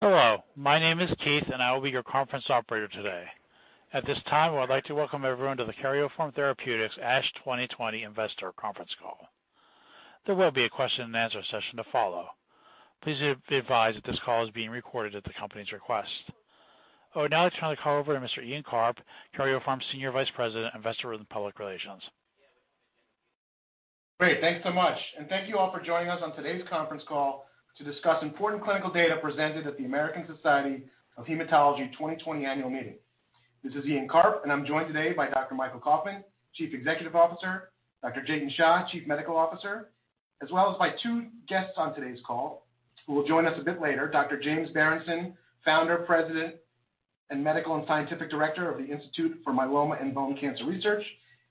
Hello, my name is Keith. I will be your conference operator today. At this time, I would like to welcome everyone to the Karyopharm Therapeutics ASH 2020 investor conference call. There will be a question and answer session to follow. Please be advised that this call is being recorded at the company's request. I would now like to turn the call over to Mr. Ian Karp, Karyopharm Senior Vice President, Investor and Public Relations. Great. Thanks so much, and thank you all for joining us on today's conference call to discuss important clinical data presented at the American Society of Hematology 2020 annual meeting. This is Ian Karp, and I'm joined today by Dr. Michael Kauffman, Chief Executive Officer, Dr. Jatin Shah, Chief Medical Officer, as well as my two guests on today's call who will join us a bit later, Dr. James Berenson, Founder, President, and Medical and Scientific Director of the Institute for Myeloma & Bone Cancer Research,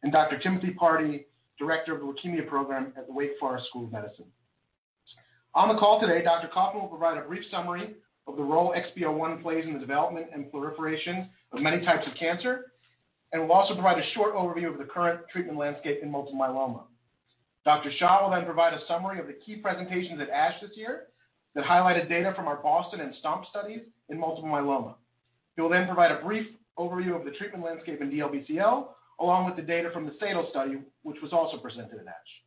and Dr. Timothy Pardee, Director of the Leukemia Program at the Wake Forest School of Medicine. On the call today, Dr. Kauffman will provide a brief summary of the role XPO1 plays in the development and proliferation of many types of cancer and will also provide a short overview of the current treatment landscape in multiple myeloma. Dr. Shah will then provide a summary of the key presentations at ASH this year that highlighted data from our BOSTON and STOMP studies in multiple myeloma. He will then provide a brief overview of the treatment landscape in DLBCL, along with the data from the SADAL study, which was also presented at ASH.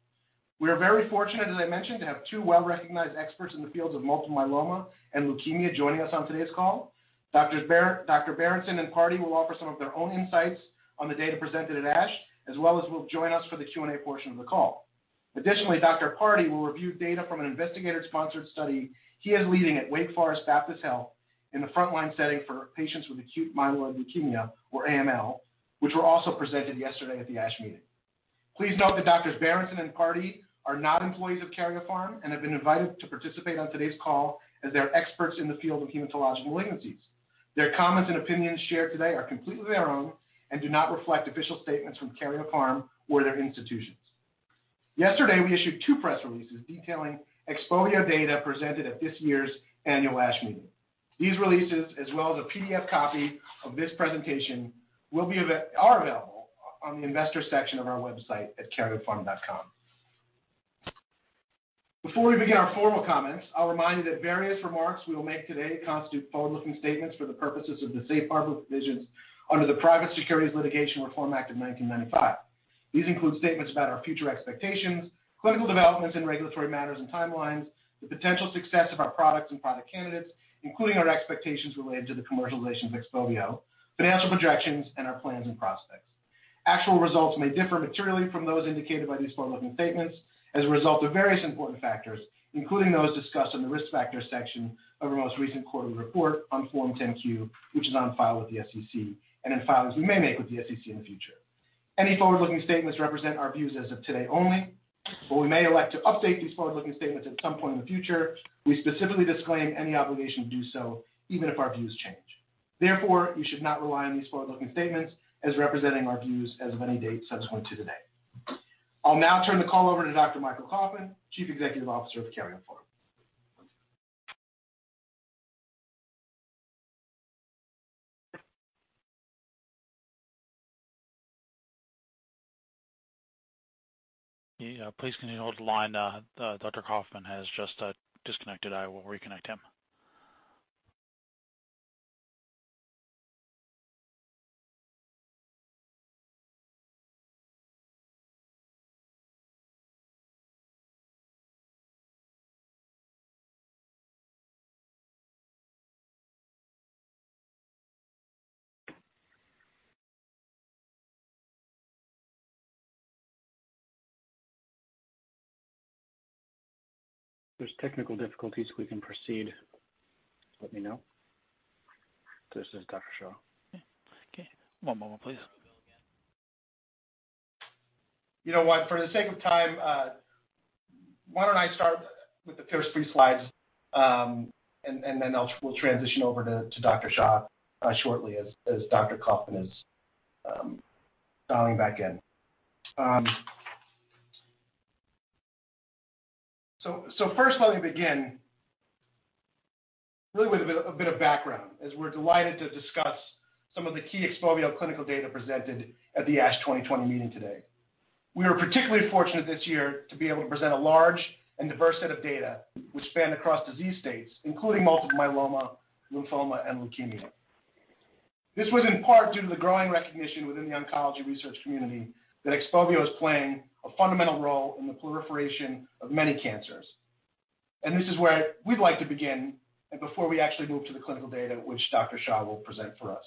We are very fortunate, as I mentioned, to have two well-recognized experts in the fields of multiple myeloma and leukemia joining us on today's call. Dr. Berenson and Pardee will offer some of their own insights on the data presented at ASH, as well as will join us for the Q&A portion of the call. Additionally, Dr. Pardee will review data from an investigator-sponsored study he is leading at Wake Forest Baptist Health in the frontline setting for patients with acute myeloid leukemia, or AML, which were also presented yesterday at the ASH meeting. Please note that Doctors Berenson and Pardee are not employees of Karyopharm and have been invited to participate on today's call as they are experts in the field of hematological malignancies. Their comments and opinions shared today are completely their own and do not reflect official statements from Karyopharm or their institutions. Yesterday, we issued two press releases detailing XPOVIO data presented at this year's annual ASH meeting. These releases, as well as a PDF copy of this presentation, are available on the investors section of our website at karyopharm.com. Before we begin our formal comments, I'll remind you that various remarks we will make today constitute forward-looking statements for the purposes of the safe harbor provisions under the Private Securities Litigation Reform Act of 1995. These include statements about our future expectations, clinical developments and regulatory matters and timelines, the potential success of our products and product candidates, including our expectations related to the commercialization of XPOVIO, financial projections, and our plans and prospects. Actual results may differ materially from those indicated by these forward-looking statements as a result of various important factors, including those discussed in the Risk Factors section of our most recent quarterly report on Form 10-Q, which is on file with the SEC and in filings we may make with the SEC in the future. Any forward-looking statements represent our views as of today only. While we may elect to update these forward-looking statements at some point in the future, we specifically disclaim any obligation to do so, even if our views change. Therefore, you should not rely on these forward-looking statements as representing our views as of any date subsequent to today. I'll now turn the call over to Dr. Michael Kauffman, Chief Executive Officer of Karyopharm. Please can you hold the line. Dr. Kauffman has just disconnected. I will reconnect him. There's technical difficulties. We can proceed. Let me know. This is Dr. Shah. Okay. One moment please. You know what? For the sake of time, why don't I start with the first three slides, and then we'll transition over to Dr. Shah shortly as Dr. Kauffman is dialing back in. First let me begin really with a bit of background, as we're delighted to discuss some of the key XPOVIO clinical data presented at the ASH 2020 meeting today. We were particularly fortunate this year to be able to present a large and diverse set of data which spanned across disease states, including multiple myeloma, lymphoma, and leukemia. This was in part due to the growing recognition within the oncology research community that XPOVIO is playing a fundamental role in the proliferation of many cancers. This is where we'd like to begin, and before we actually move to the clinical data, which Dr. Shah will present for us.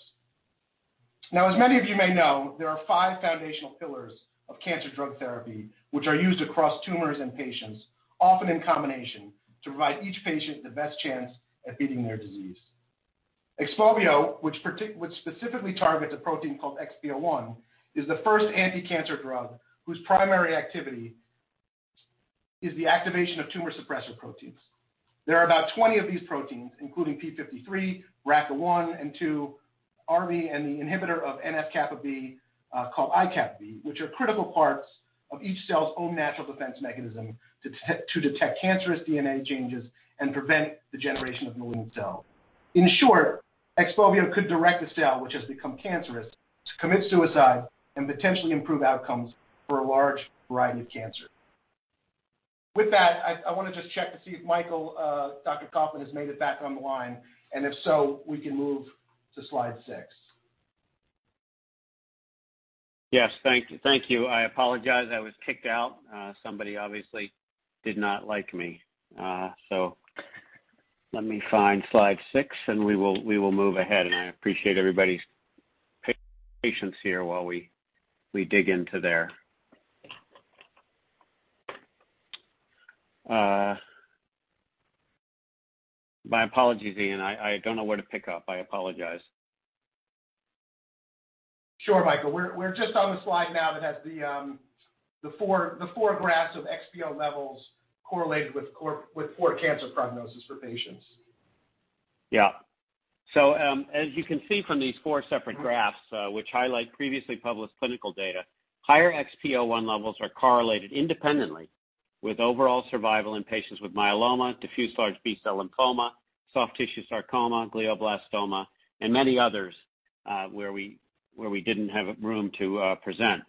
Now, as many of you may know, there are five foundational pillars of cancer drug therapy, which are used across tumors and patients, often in combination, to provide each patient the best chance at beating their disease. XPOVIO, which specifically targets a protein called XPO1, is the first anti-cancer drug whose primary activity is the activation of tumor suppressor proteins. There are about 20 of these proteins, including p53, BRCA1 and BRCA2, Rb, and the inhibitor of NF-κB called IκB, which are critical parts of each cell's own natural defense mechanism to detect cancerous DNA changes and prevent the generation of malignant cells. In short, XPOVIO could direct a cell which has become cancerous to commit suicide and potentially improve outcomes for a large variety of cancer. With that, I want to just check to see if Michael, Dr. Kauffman, has made it back on the line, and if so, we can move to slide six. Yes. Thank you. I apologize. I was kicked out. Somebody obviously did not like me. Let me find slide six, and we will move ahead, and I appreciate everybody's patience here while we dig into there. My apologies, Ian, I don't know where to pick up. I apologize. Sure, Michael. We're just on the slide now that has the four graphs of XPO levels correlated with poor cancer prognosis for patients. Yeah. As you can see from these four separate graphs, which highlight previously published clinical data, higher XPO1 levels are correlated independently with overall survival in patients with myeloma, diffuse large B-cell lymphoma, soft tissue sarcoma, glioblastoma, and many others, where we didn't have room to present.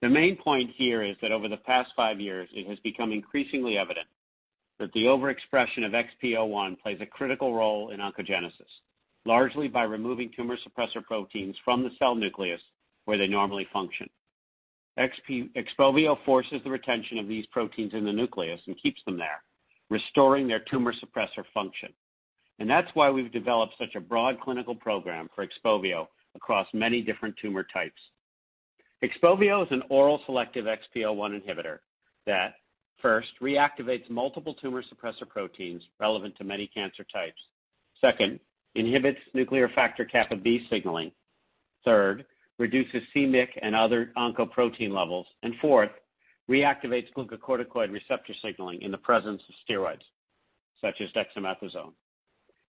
The main point here is that over the past five years, it has become increasingly evident that the overexpression of XPO1 plays a critical role in oncogenesis, largely by removing tumor suppressor proteins from the cell nucleus where they normally function. XPOVIO forces the retention of these proteins in the nucleus and keeps them there, restoring their tumor suppressor function. That's why we've developed such a broad clinical program for XPOVIO across many different tumor types. XPOVIO is an oral selective XPO1 inhibitor that, first, reactivates multiple tumor suppressor proteins relevant to many cancer types. Second, inhibits NF-κB signaling. Third, reduces c-Myc and other oncoprotein levels. Fourth, reactivates glucocorticoid receptor signaling in the presence of steroids, such as dexamethasone.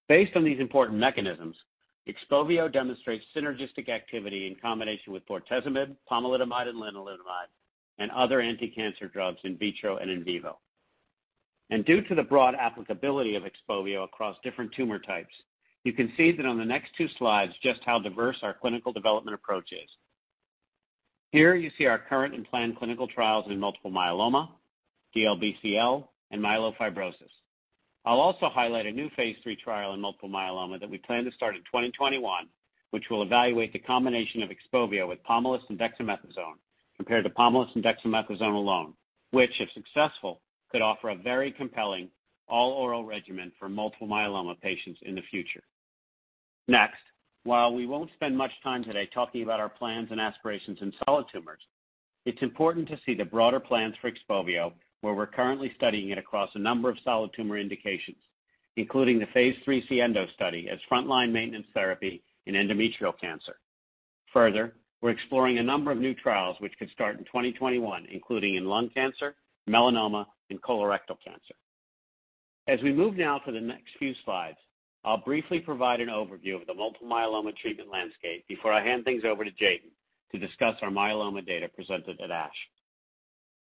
Based on these important mechanisms, XPOVIO demonstrates synergistic activity in combination with bortezomib, pomalidomide, and lenalidomide, and other anticancer drugs in vitro and in vivo. Due to the broad applicability of XPOVIO across different tumor types, you can see that on the next two slides just how diverse our clinical development approach is. Here you see our current and planned clinical trials in multiple myeloma, DLBCL, and myelofibrosis. I'll also highlight a new phase III trial in multiple myeloma that we plan to start in 2021, which will evaluate the combination of XPOVIO with pomalidomide and dexamethasone compared to pomalidomide and dexamethasone alone, which, if successful, could offer a very compelling all-oral regimen for multiple myeloma patients in the future. While we won't spend much time today talking about our plans and aspirations in solid tumors, it's important to see the broader plans for XPOVIO, where we're currently studying it across a number of solid tumor indications, including the phase III SIENDO study as frontline maintenance therapy in endometrial cancer. We're exploring a number of new trials which could start in 2021, including in lung cancer, melanoma, and colorectal cancer. We move now to the next few slides, I'll briefly provide an overview of the multiple myeloma treatment landscape before I hand things over to Jatin to discuss our myeloma data presented at ASH.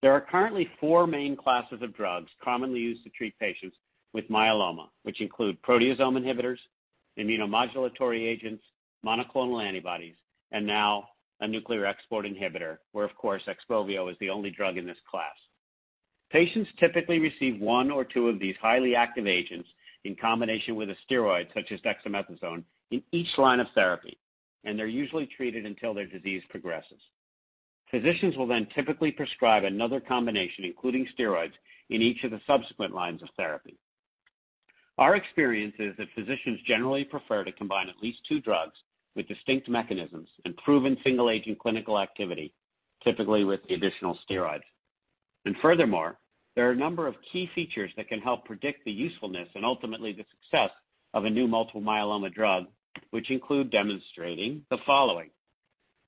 There are currently four main classes of drugs commonly used to treat patients with myeloma, which include proteasome inhibitors, immunomodulatory agents, monoclonal antibodies, and now a nuclear export inhibitor, where, of course, XPOVIO is the only drug in this class. Patients typically receive one or two of these highly active agents in combination with a steroid, such as dexamethasone, in each line of therapy. They're usually treated until their disease progresses. Physicians will typically prescribe another combination, including steroids, in each of the subsequent lines of therapy. Our experience is that physicians generally prefer to combine at least two drugs with distinct mechanisms and proven single-agent clinical activity, typically with the additional steroids. Furthermore, there are a number of key features that can help predict the usefulness and ultimately the success of a new multiple myeloma drug, which include demonstrating the following: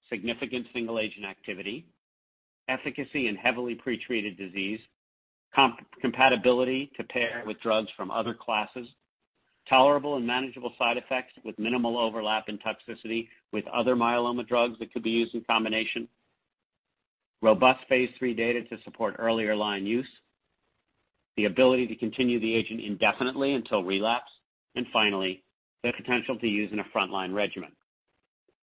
significant single-agent activity, efficacy in heavily pretreated disease, compatibility to pair with drugs from other classes, tolerable and manageable side effects with minimal overlap in toxicity with other myeloma drugs that could be used in combination, robust phase III data to support earlier line use, the ability to continue the agent indefinitely until relapse, and finally, the potential to use in a frontline regimen.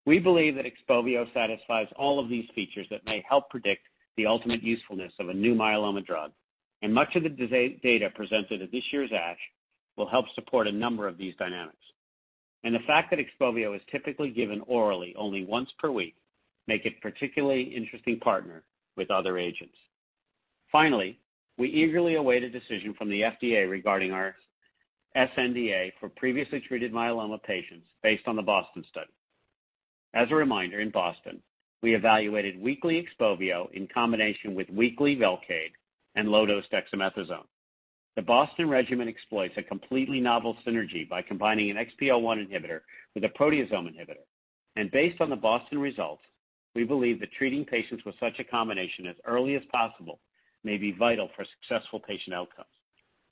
We believe that XPOVIO satisfies all of these features that may help predict the ultimate usefulness of a new myeloma drug, and much of the data presented at this year's ASH will help support a number of these dynamics. The fact that XPOVIO is typically given orally only once per week make it particularly interesting partner with other agents. Finally, we eagerly await a decision from the FDA regarding our sNDA for previously treated myeloma patients based on the BOSTON study. As a reminder, in BOSTON, we evaluated weekly XPOVIO in combination with weekly Velcade and low-dose dexamethasone. The BOSTON regimen exploits a completely novel synergy by combining an XPO1 inhibitor with a proteasome inhibitor. Based on the BOSTON results, we believe that treating patients with such a combination as early as possible may be vital for successful patient outcomes.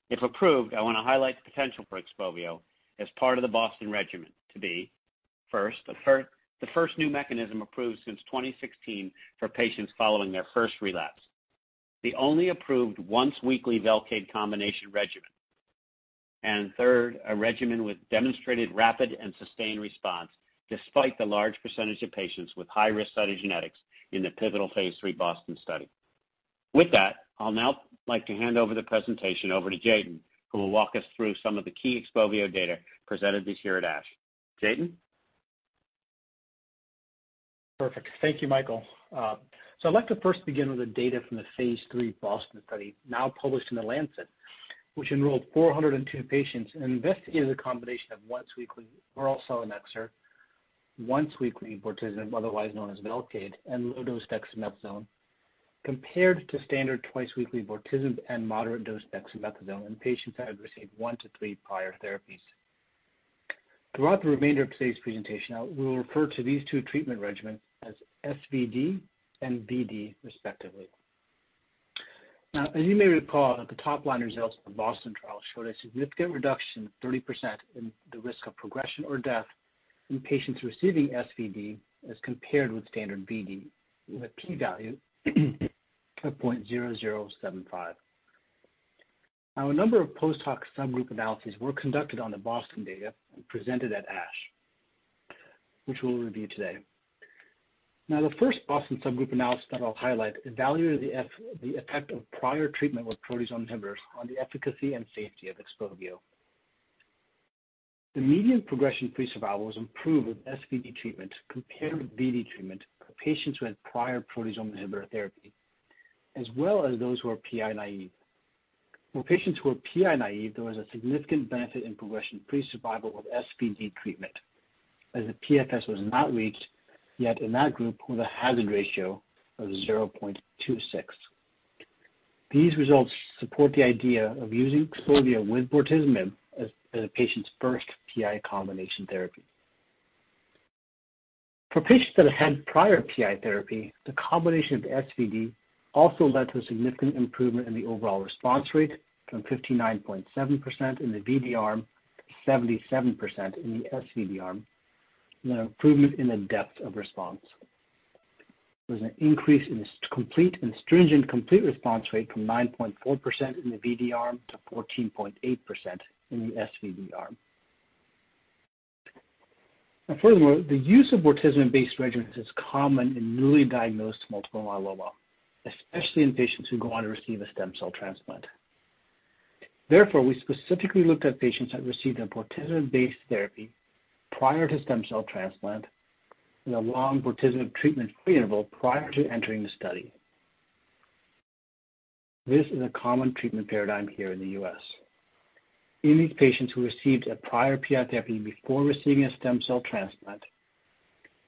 If approved, I want to highlight the potential for XPOVIO as part of the BOSTON regimen to be, first, the first new mechanism approved since 2016 for patients following their first relapse, the only approved once-weekly Velcade combination regimen, and third, a regimen with demonstrated rapid and sustained response despite the large percentage of patients with high-risk cytogenetics in the pivotal phase III BOSTON study. With that, I'll now like to hand over the presentation over to Jatin, who will walk us through some of the key XPOVIO data presented this year at ASH. Jatin? Thank you, Michael. I'd like to first begin with the data from the phase III BOSTON study, now published in The Lancet, which enrolled 402 patients and investigated the combination of once-weekly oral selinexor, once-weekly bortezomib, otherwise known as Velcade, and low-dose dexamethasone compared to standard twice-weekly bortezomib and moderate-dose dexamethasone in patients that have received one to three prior therapies. Throughout the remainder of today's presentation, I will refer to these two treatment regimens as SVd and VD, respectively. As you may recall, the top-line results from the BOSTON trial showed a significant reduction of 30% in the risk of progression or death in patients receiving SVd as compared with standard VD, with a P value of 0.0075. A number of post-hoc subgroup analyses were conducted on the BOSTON data and presented at ASH, which we'll review today. The first BOSTON subgroup analysis that I'll highlight evaluated the effect of prior treatment with proteasome inhibitors on the efficacy and safety of XPOVIO. The median progression-free survival was improved with SVd treatment compared with VD treatment for patients who had prior proteasome inhibitor therapy, as well as those who are PI-naive. For patients who are PI-naive, there was a significant benefit in progression-free survival with SVd treatment, as the PFS was not reached, yet in that group with a hazard ratio of 0.26. These results support the idea of using XPOVIO with bortezomib as a patient's first PI combination therapy. For patients that have had prior PI therapy, the combination of SVd also led to a significant improvement in the overall response rate from 59.7% in the VD arm to 77% in the SVd arm, and an improvement in the depth of response. There was an increase in the complete and stringent complete response rate from 9.4% in the VD arm to 14.8% in the SVd arm. Furthermore, the use of bortezomib-based regimens is common in newly diagnosed multiple myeloma, especially in patients who go on to receive a stem cell transplant. We specifically looked at patients that received a bortezomib-based therapy prior to stem cell transplant and a long bortezomib treatment free interval prior to entering the study. This is a common treatment paradigm here in the U.S. In these patients who received a prior PI therapy before receiving a stem cell transplant,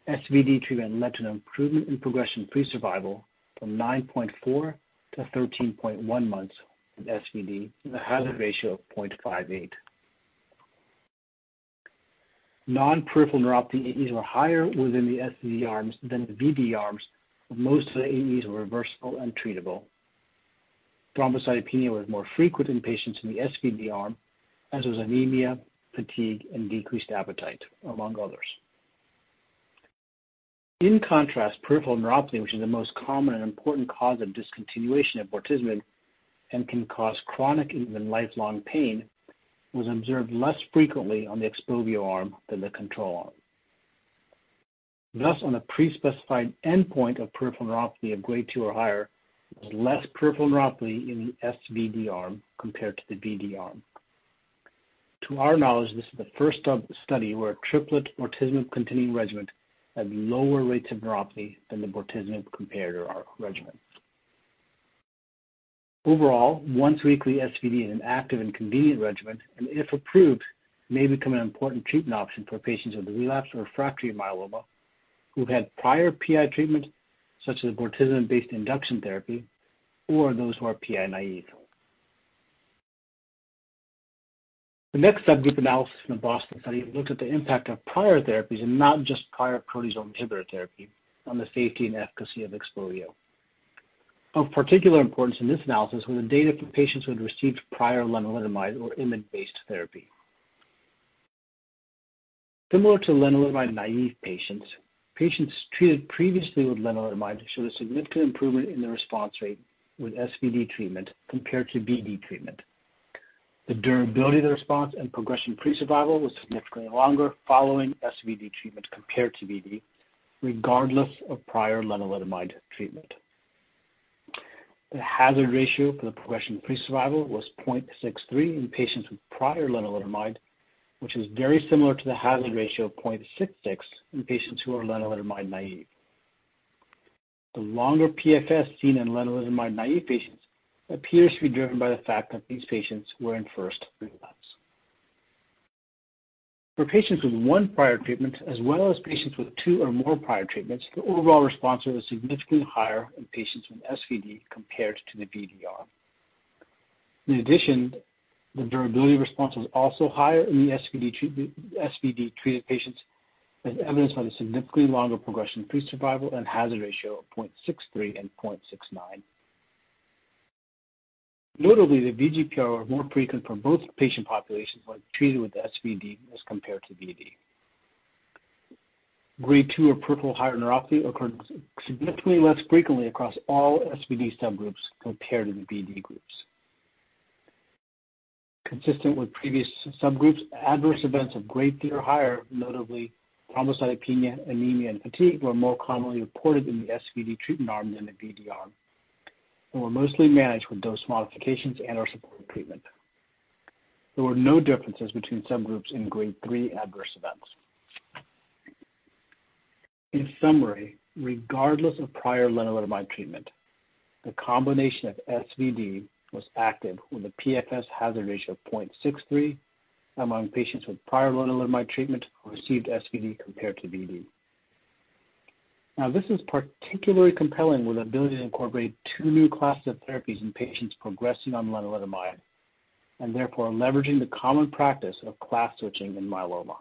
SVd treatment led to an improvement in progression-free survival from 9.4-13.1 months in SVd with a hazard ratio of 0.58. Non-peripheral neuropathy AEs were higher within the SVd arms than the VD arms, but most of the AEs were reversible and treatable. Thrombocytopenia was more frequent in patients in the SVd arm, as was anemia, fatigue, and decreased appetite, among others. Peripheral neuropathy, which is the most common and important cause of discontinuation of bortezomib and can cause chronic, even lifelong pain, was observed less frequently on the XPOVIO arm than the control arm. On a pre-specified endpoint of peripheral neuropathy of Grade 2 or higher, there was less peripheral neuropathy in the SVd arm compared to the VD arm. To our knowledge, this is the first study where a triplet bortezomib-containing regimen had lower rates of neuropathy than the bortezomib comparator regimen. Once-weekly SVd is an active and convenient regimen, and if approved, may become an important treatment option for patients with relapsed or refractory myeloma who've had prior PI treatment, such as bortezomib-based induction therapy, or those who are PI-naive. The next subgroup analysis in the BOSTON study looked at the impact of prior therapies and not just prior proteasome inhibitor therapy on the safety and efficacy of XPOVIO. Of particular importance in this analysis were the data for patients who had received prior lenalidomide or IMiD-based therapy. Similar to lenalidomide-naive patients treated previously with lenalidomide showed a significant improvement in the response rate with SVd treatment compared to VD treatment. The durability of the response and progression-free survival was significantly longer following SVd treatment compared to VD, regardless of prior lenalidomide treatment. The hazard ratio for the progression-free survival was 0.63 in patients with prior lenalidomide, which is very similar to the hazard ratio of 0.66 in patients who are lenalidomide-naive. The longer PFS seen in lenalidomide-naive patients appears to be driven by the fact that these patients were in first relapse. For patients with one prior treatment as well as patients with two or more prior treatments, the overall response rate was significantly higher in patients with SVd compared to the VD arm. In addition, the durability response was also higher in the SVd-treated patients, as evidenced by the significantly longer progression-free survival and hazard ratio of 0.63 and 0.69. Notably, the VGPR were more frequent for both patient populations when treated with SVd as compared to VD. Grade 2 or peripheral higher neuropathy occurred significantly less frequently across all SVd subgroups compared to the VD groups. Consistent with previous subgroups, adverse events of Grade 3 or higher, notably thrombocytopenia, anemia, and fatigue, were more commonly reported in the SVd treatment arm than the VD arm and were mostly managed with dose modifications and/or supportive treatment. There were no differences between subgroups in Grade 3 adverse events. In summary, regardless of prior lenalidomide treatment, the combination of SVd was active with a PFS hazard ratio of 0.63 among patients with prior lenalidomide treatment who received SVd compared to VD. This is particularly compelling with the ability to incorporate two new classes of therapies in patients progressing on lenalidomide, and therefore leveraging the common practice of class switching in myeloma.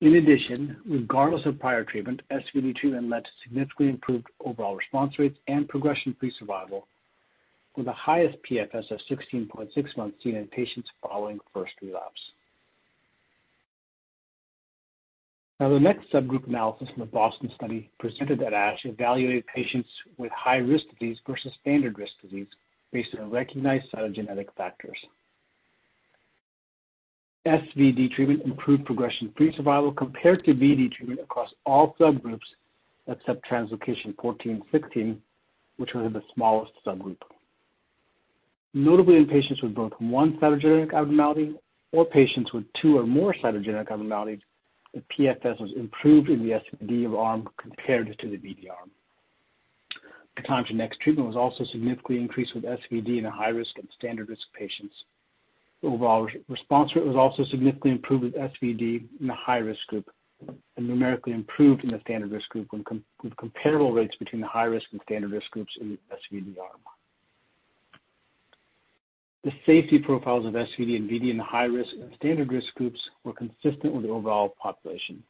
Regardless of prior treatment, SVd treatment led to significantly improved overall response rates and progression-free survival, with the highest PFS of 16.6 months seen in patients following first relapse. The next subgroup analysis from the BOSTON study presented at ASH evaluated patients with high-risk disease versus standard risk disease based on recognized cytogenetic factors. SVd treatment improved progression-free survival compared to VD treatment across all subgroups except translocation 14;16, which was in the smallest subgroup. Notably in patients with both one cytogenetic abnormality or patients with two or more cytogenetic abnormalities, the PFS was improved in the SVd arm compared to the VD arm. The time to next treatment was also significantly increased with SVd in the high-risk and standard-risk patients. Overall response rate was also significantly improved with SVd in the high-risk group and numerically improved in the standard-risk group with comparable rates between the high-risk and standard-risk groups in the SVd arm. The safety profiles of SVd and VD in the high-risk and standard-risk groups were consistent with the overall population.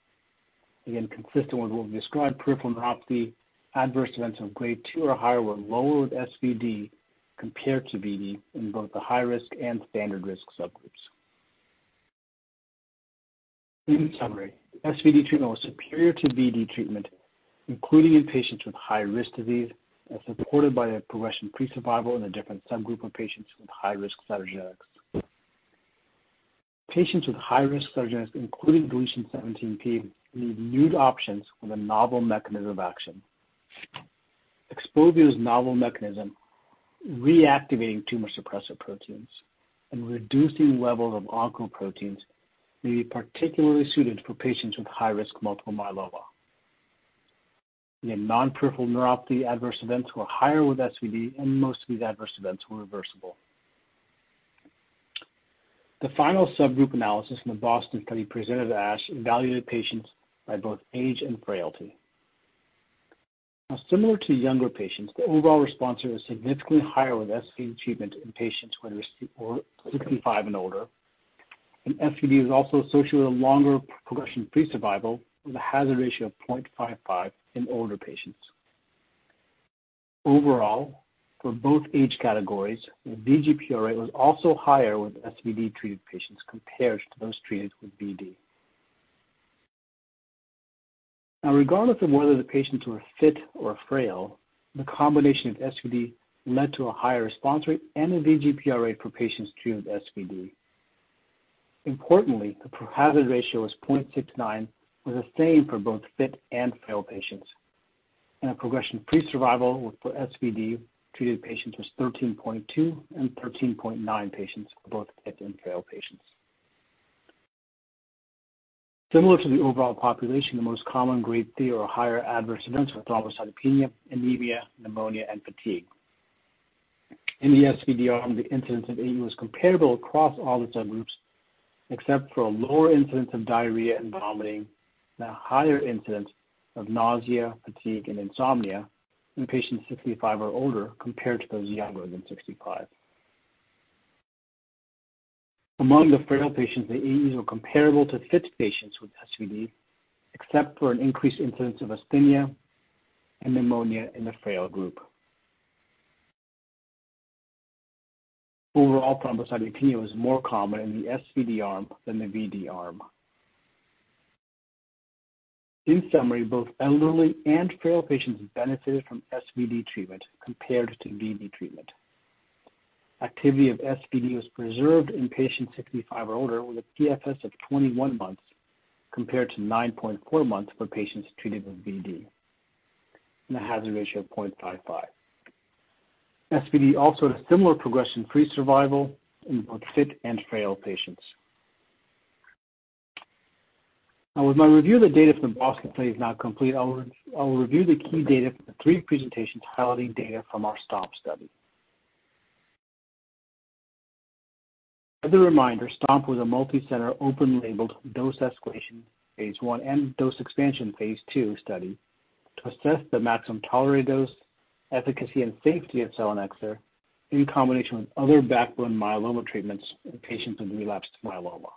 Again, consistent with what we described, peripheral neuropathy adverse events of Grade 2 or higher were lower with SVd compared to VD in both the high-risk and standard-risk subgroups. In summary, SVd treatment was superior to VD treatment, including in patients with high-risk disease, as reported by the progression-free survival in a different subgroup of patients with high-risk cytogenetics. Patients with high-risk cytogenetics, including deletion 17p, need new options with a novel mechanism of action. XPOVIO's novel mechanism, reactivating tumor-suppressive proteins and reducing levels of oncoproteins, may be particularly suited for patients with high-risk multiple myeloma. In non-peripheral neuropathy, adverse events were higher with SVd, most of these adverse events were reversible. The final subgroup analysis in the BOSTON study presented at ASH evaluated patients by both age and frailty. Similar to younger patients, the overall response rate was significantly higher with SVd treatment in patients who were 65 and older. SVd was also associated with longer progression-free survival with a hazard ratio of 0.55 in older patients. Overall, for both age categories, the VGPR rate was also higher with SVd-treated patients compared to those treated with VD. Regardless of whether the patients were fit or frail, the combination of SVd led to a higher response rate and a VGPR rate for patients treated with SVd. Importantly, the hazard ratio is 0.69 was the same for both fit and frail patients. A progression-free survival for SVd-treated patients was 13.2 and 13.9 patients for both fit and frail patients. Similar to the overall population, the most common Grade 3 or higher adverse events were thrombocytopenia, anemia, pneumonia, and fatigue. In the SVd arm, the incidence of AE was comparable across all the subgroups, except for a lower incidence of diarrhea and vomiting and a higher incidence of nausea, fatigue, and insomnia in patients 65 or older compared to those younger than 65. Among the frail patients, the AEs were comparable to fit patients with SVd, except for an increased incidence of asthenia and pneumonia in the frail group. Overall, thrombocytopenia was more common in the SVd arm than the VD arm. In summary, both elderly and frail patients benefited from SVd treatment compared to VD treatment. Activity of SVd was preserved in patients 65 or older, with a PFS of 21 months, compared to 9.4 months for patients treated with VD and a hazard ratio of 0.55. SVd also had a similar progression-free survival in both fit and frail patients. With my review of the data from the BOSTON study now complete, I will review the key data from the three presentations highlighting data from our STOMP study. As a reminder, STOMP was a multicenter, open-labeled dose-escalation phase I and dose-expansion phase II study to assess the maximum tolerated dose, efficacy, and safety of selinexor in combination with other backbone myeloma treatments in patients with relapsed myeloma.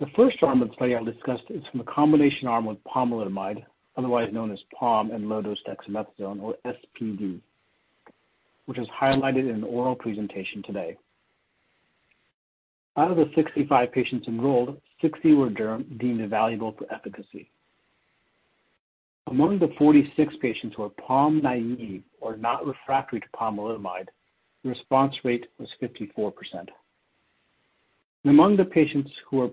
The first arm of the study I'll discuss is from the combination arm with pomalidomide, otherwise known as pom, and low-dose dexamethasone, or SPd. Which is highlighted in the oral presentation today. Out of the 65 patients enrolled, 60 were deemed evaluable for efficacy. Among the 46 patients who were POM-naive or not refractory to pomalidomide, the response rate was 54%. Among the patients whose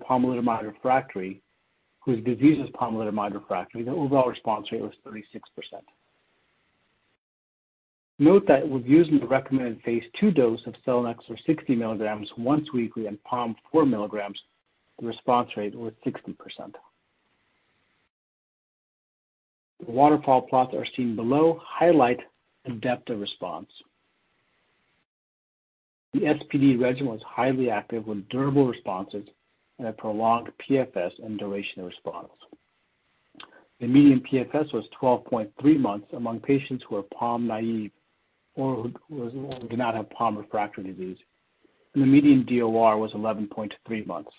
disease is pomalidomide refractory, the overall response rate was 36%. Note that with using the recommended phase II dose of selinexor 60 mg once weekly and pom 4 mg, the response rate was 60%. The waterfall plots that are seen below highlight the depth of response. The SPd regimen was highly active with durable responses and a prolonged PFS and duration of response. The median PFS was 12.3 months among patients who were POM-naive or who did not have POM refractory disease, and the median DOR was 11.3 months.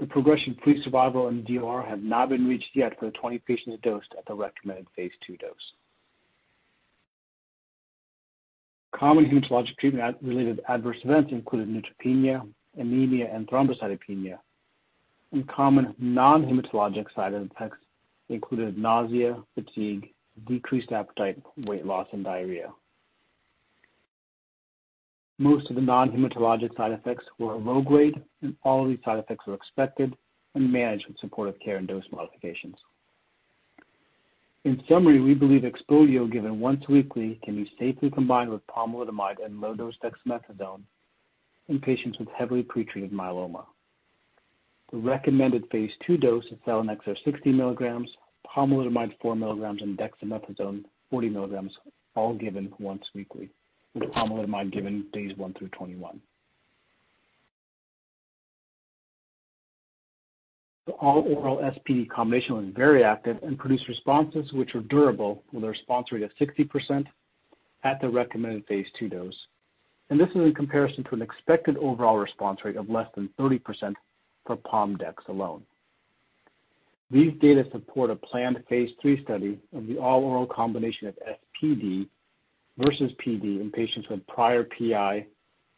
The progression-free survival and DOR have not been reached yet for the 20 patients dosed at the recommended phase II dose. Common hematologic treatment-related adverse events included neutropenia, anemia, and thrombocytopenia. Common non-hematologic side effects included nausea, fatigue, decreased appetite, weight loss, and diarrhea. Most of the non-hematologic side effects were low-grade, and all of these side effects were expected and managed with supportive care and dose modifications. In summary, we believe XPOVIO given once weekly can be safely combined with pomalidomide and low-dose dexamethasone in patients with heavily pre-treated myeloma. The recommended phase II dose of selinexor 60 mg, pomalidomide 4 mg, and dexamethasone 40 mg, all given once weekly, with pomalidomide given days one through 21. The all-oral SPd combination was very active and produced responses which were durable, with a response rate of 60% at the recommended phase II dose. This is in comparison to an expected overall response rate of less than 30% for pom dex alone. These data support a planned phase III study of the all-oral combination of SPd versus Pd in patients with prior PI,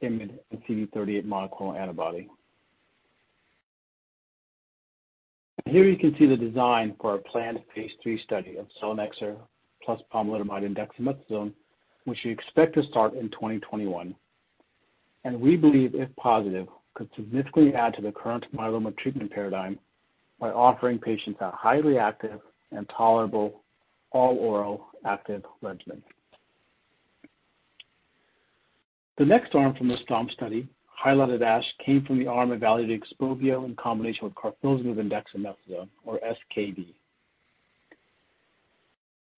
IMiD, and CD38 monoclonal antibody. Here you can see the design for our planned phase III study of selinexor plus pomalidomide and dexamethasone, which we expect to start in 2021. We believe, if positive, could significantly add to the current myeloma treatment paradigm by offering patients a highly active and tolerable all-oral active regimen. The next arm from the STOMP study highlighted at ASH came from the arm evaluating XPOVIO in combination with carfilzomib and dexamethasone, or SKd.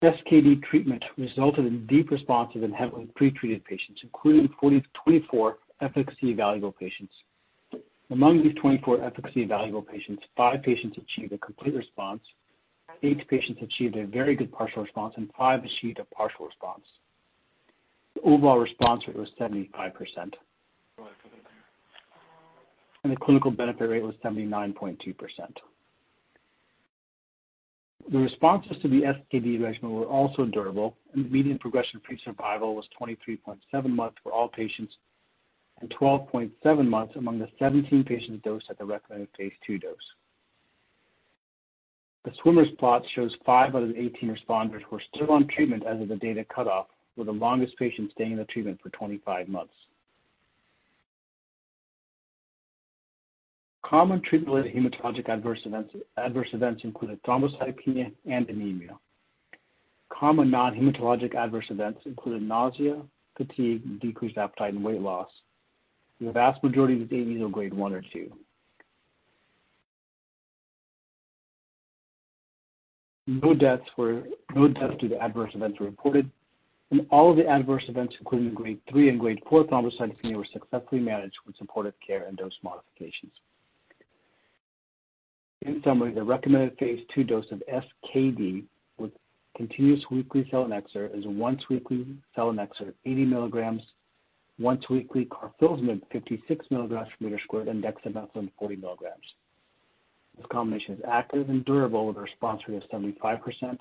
SKd treatment resulted in deep responses in heavily pre-treated patients, including 24 efficacy-evaluable patients. Among these 24 efficacy-evaluable patients, five patients achieved a complete response, eight patients achieved a very good partial response, and five achieved a partial response. The overall response rate was 75%. The clinical benefit rate was 79.2%. The responses to the SKd regimen were also durable, and the median progression-free survival was 23.7 months for all patients and 12.7 months among the 17 patients dosed at the recommended phase II dose. The swimmers plot shows five out of the 18 responders were still on treatment as of the data cutoff, with the longest patient staying on the treatment for 25 months. Common treatment-related hematologic adverse events included thrombocytopenia and anemia. Common non-hematologic adverse events included nausea, fatigue, decreased appetite, and weight loss, with the vast majority of these being either Grade 1 or 2. No deaths due to adverse events were reported, and all of the adverse events, including Grade 3 and Grade 4 thrombocytopenia, were successfully managed with supportive care and dose modifications. In summary, the recommended phase II dose of SKd with continuous weekly selinexor is once-weekly selinexor 80 mg, once-weekly carfilzomib 56 mg per meter squared, and dexamethasone 40 mg. This combination is active and durable with a response rate of 75%,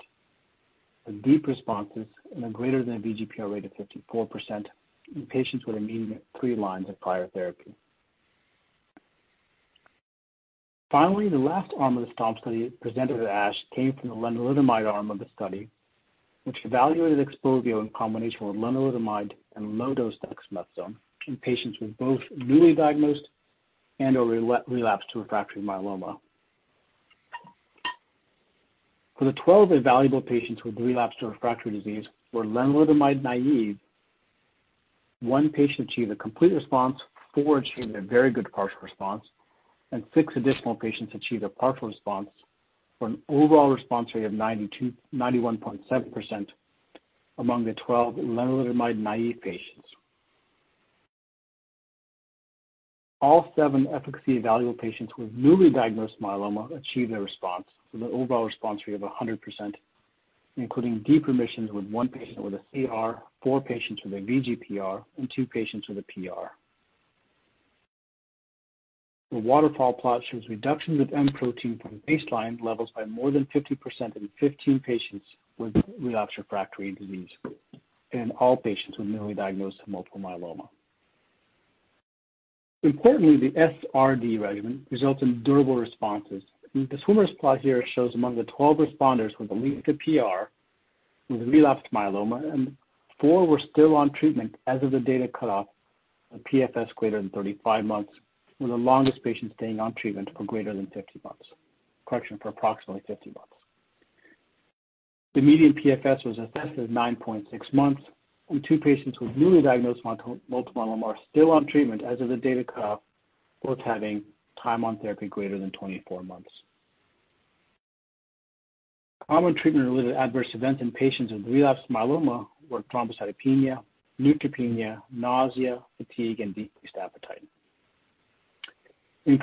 with deep responses and a greater than VGPR rate of 54% in patients with a median of three lines of prior therapy. Finally, the last arm of the STOMP study presented at ASH came from the lenalidomide arm of the study, which evaluated XPOVIO in combination with lenalidomide and low-dose dexamethasone in patients with both newly diagnosed and/or relapsed refractory myeloma. For the 12 evaluable patients with relapsed or refractory disease who were lenalidomide-naive, one patient achieved a complete response, four achieved a very good partial response, and six additional patients achieved a partial response for an overall response rate of 91.7% among the 12 lenalidomide-naive patients. All seven efficacy-evaluable patients with newly diagnosed myeloma achieved a response, with an overall response rate of 100%, including deep remissions with one patient with a CR, four patients with a VGPR, and two patients with a PR. The waterfall plot shows reductions of M protein from baseline levels by more than 50% in 15 patients with relapsed refractory disease, and all patients with newly diagnosed multiple myeloma. Importantly, the SRd regimen results in durable responses. The swimmers plot here shows among the 12 responders with a linked PR with relapsed myeloma, and four were still on treatment as of the data cutoff, a PFS greater than 35 months, with the longest patient staying on treatment for greater than 50 months. Correction, for approximately 50 months. The median PFS was assessed at 9.6 months, with two patients with newly diagnosed multiple myeloma are still on treatment as of the data cutoff, both having time on therapy greater than 24 months. Common treatment-related adverse events in patients with relapsed myeloma were thrombocytopenia, neutropenia, nausea, fatigue, and decreased appetite. In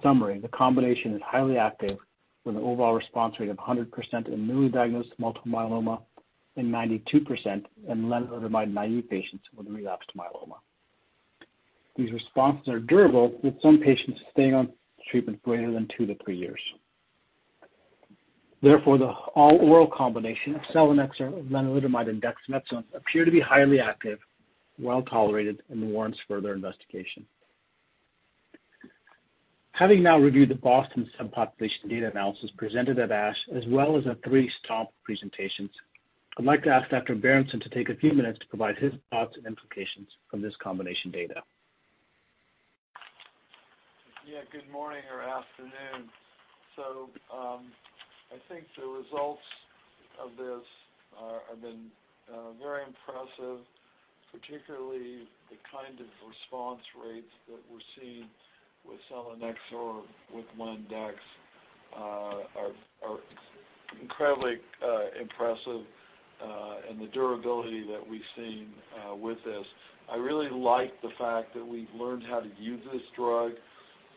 summary, the combination is highly active with an overall response rate of 100% in newly diagnosed multiple myeloma and 92% in lenalidomide-naive patients with relapsed myeloma. These responses are durable, with some patients staying on treatment greater than two to three years. Therefore, the all-oral combination of selinexor, lenalidomide, and dexamethasone appear to be highly active, well-tolerated, and warrants further investigation. Having now reviewed the BOSTON subpopulation data analysis presented at ASH, as well as the three STOMP presentations, I'd like to ask Dr. Berenson to take a few minutes to provide his thoughts and implications from this combination data. Yeah. Good morning or afternoon. I think the results of this have been very impressive, particularly the kind of response rates that we're seeing with selinexor, with len/dex are incredibly impressive and the durability that we've seen with this. I really like the fact that we've learned how to use this drug,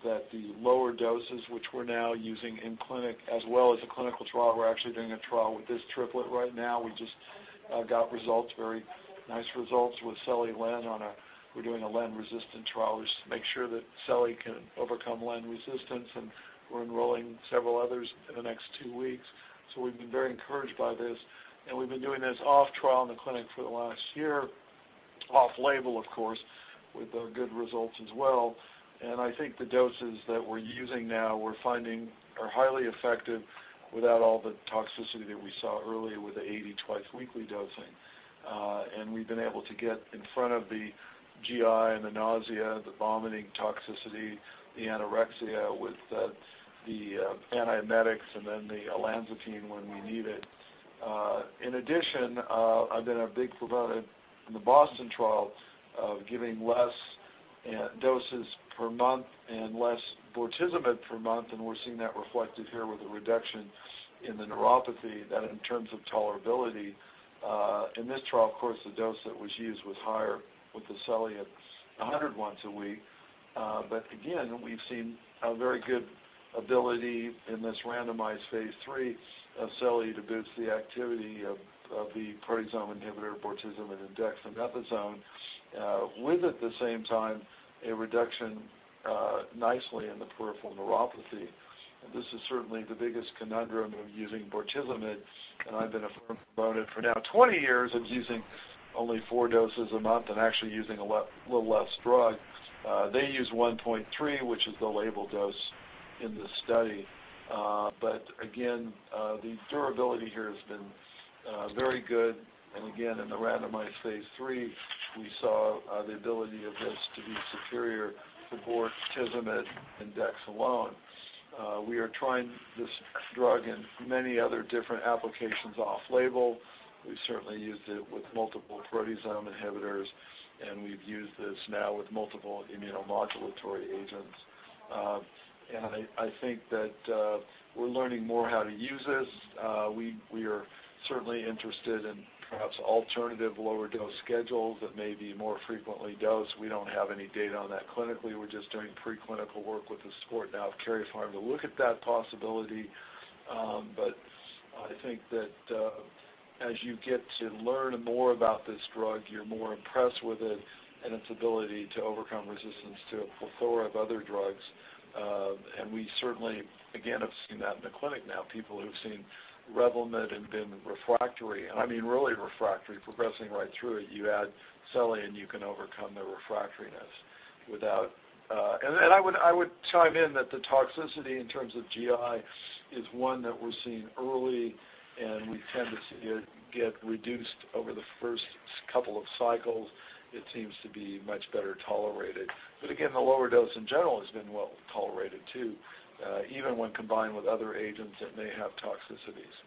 that the lower doses, which we're now using in clinic as well as a clinical trial. We're actually doing a trial with this triplet right now. We just got results, very nice results with selinexor/len. We're doing a len-resistant trial just to make sure that selinexor can overcome len resistance, we're enrolling several others in the next two weeks. We've been very encouraged by this. We've been doing this off trial in the clinic for the last year, off-label of course, with good results as well. I think the doses that we're using now we're finding are highly effective without all the toxicity that we saw earlier with the 80 twice weekly dosing. We've been able to get in front of the GI and the nausea, the vomiting toxicity, the anorexia with the antiemetics and then the olanzapine when we need it. In addition, I've been a big proponent in the BOSTON trial of giving less doses per month and less bortezomib per month, and we're seeing that reflected here with a reduction in the neuropathy that in terms of tolerability. In this trial, of course, the dose that was used was higher with the selinexor at 100 mg once a week. Again, we've seen a very good ability in this randomized phase III of selinexor to boost the activity of the proteasome inhibitor bortezomib and dexamethasone, with at the same time a reduction nicely in the peripheral neuropathy. This is certainly the biggest conundrum of using bortezomib, and I've been a firm proponent for now 20 years of using only four doses a month and actually using a little less drug. They use 1.3, which is the label dose in this study. Again, the durability here has been very good. Again, in the randomized phase III, we saw the ability of this to be superior to bortezomib and dex alone. We are trying this drug in many other different applications off-label. We've certainly used it with multiple proteasome inhibitors, and we've used this now with multiple immunomodulatory agents. I think that we're learning more how to use this. We are certainly interested in perhaps alternative lower dose schedules that may be more frequently dosed. We don't have any data on that clinically. We're just doing pre-clinical work with the support now of Karyopharm to look at that possibility. I think that as you get to learn more about this drug, you're more impressed with it and its ability to overcome resistance to a plethora of other drugs. We certainly, again, have seen that in the clinic now. People who've seen Revlimid and been refractory, and I mean really refractory, progressing right through it. You add selinexor and you can overcome the refractoriness without. I would chime in that the toxicity in terms of GI is one that we're seeing early, and we tend to see it get reduced over the first couple of cycles. It seems to be much better tolerated. Again, the lower dose in general has been well-tolerated, too, even when combined with other agents that may have toxicities.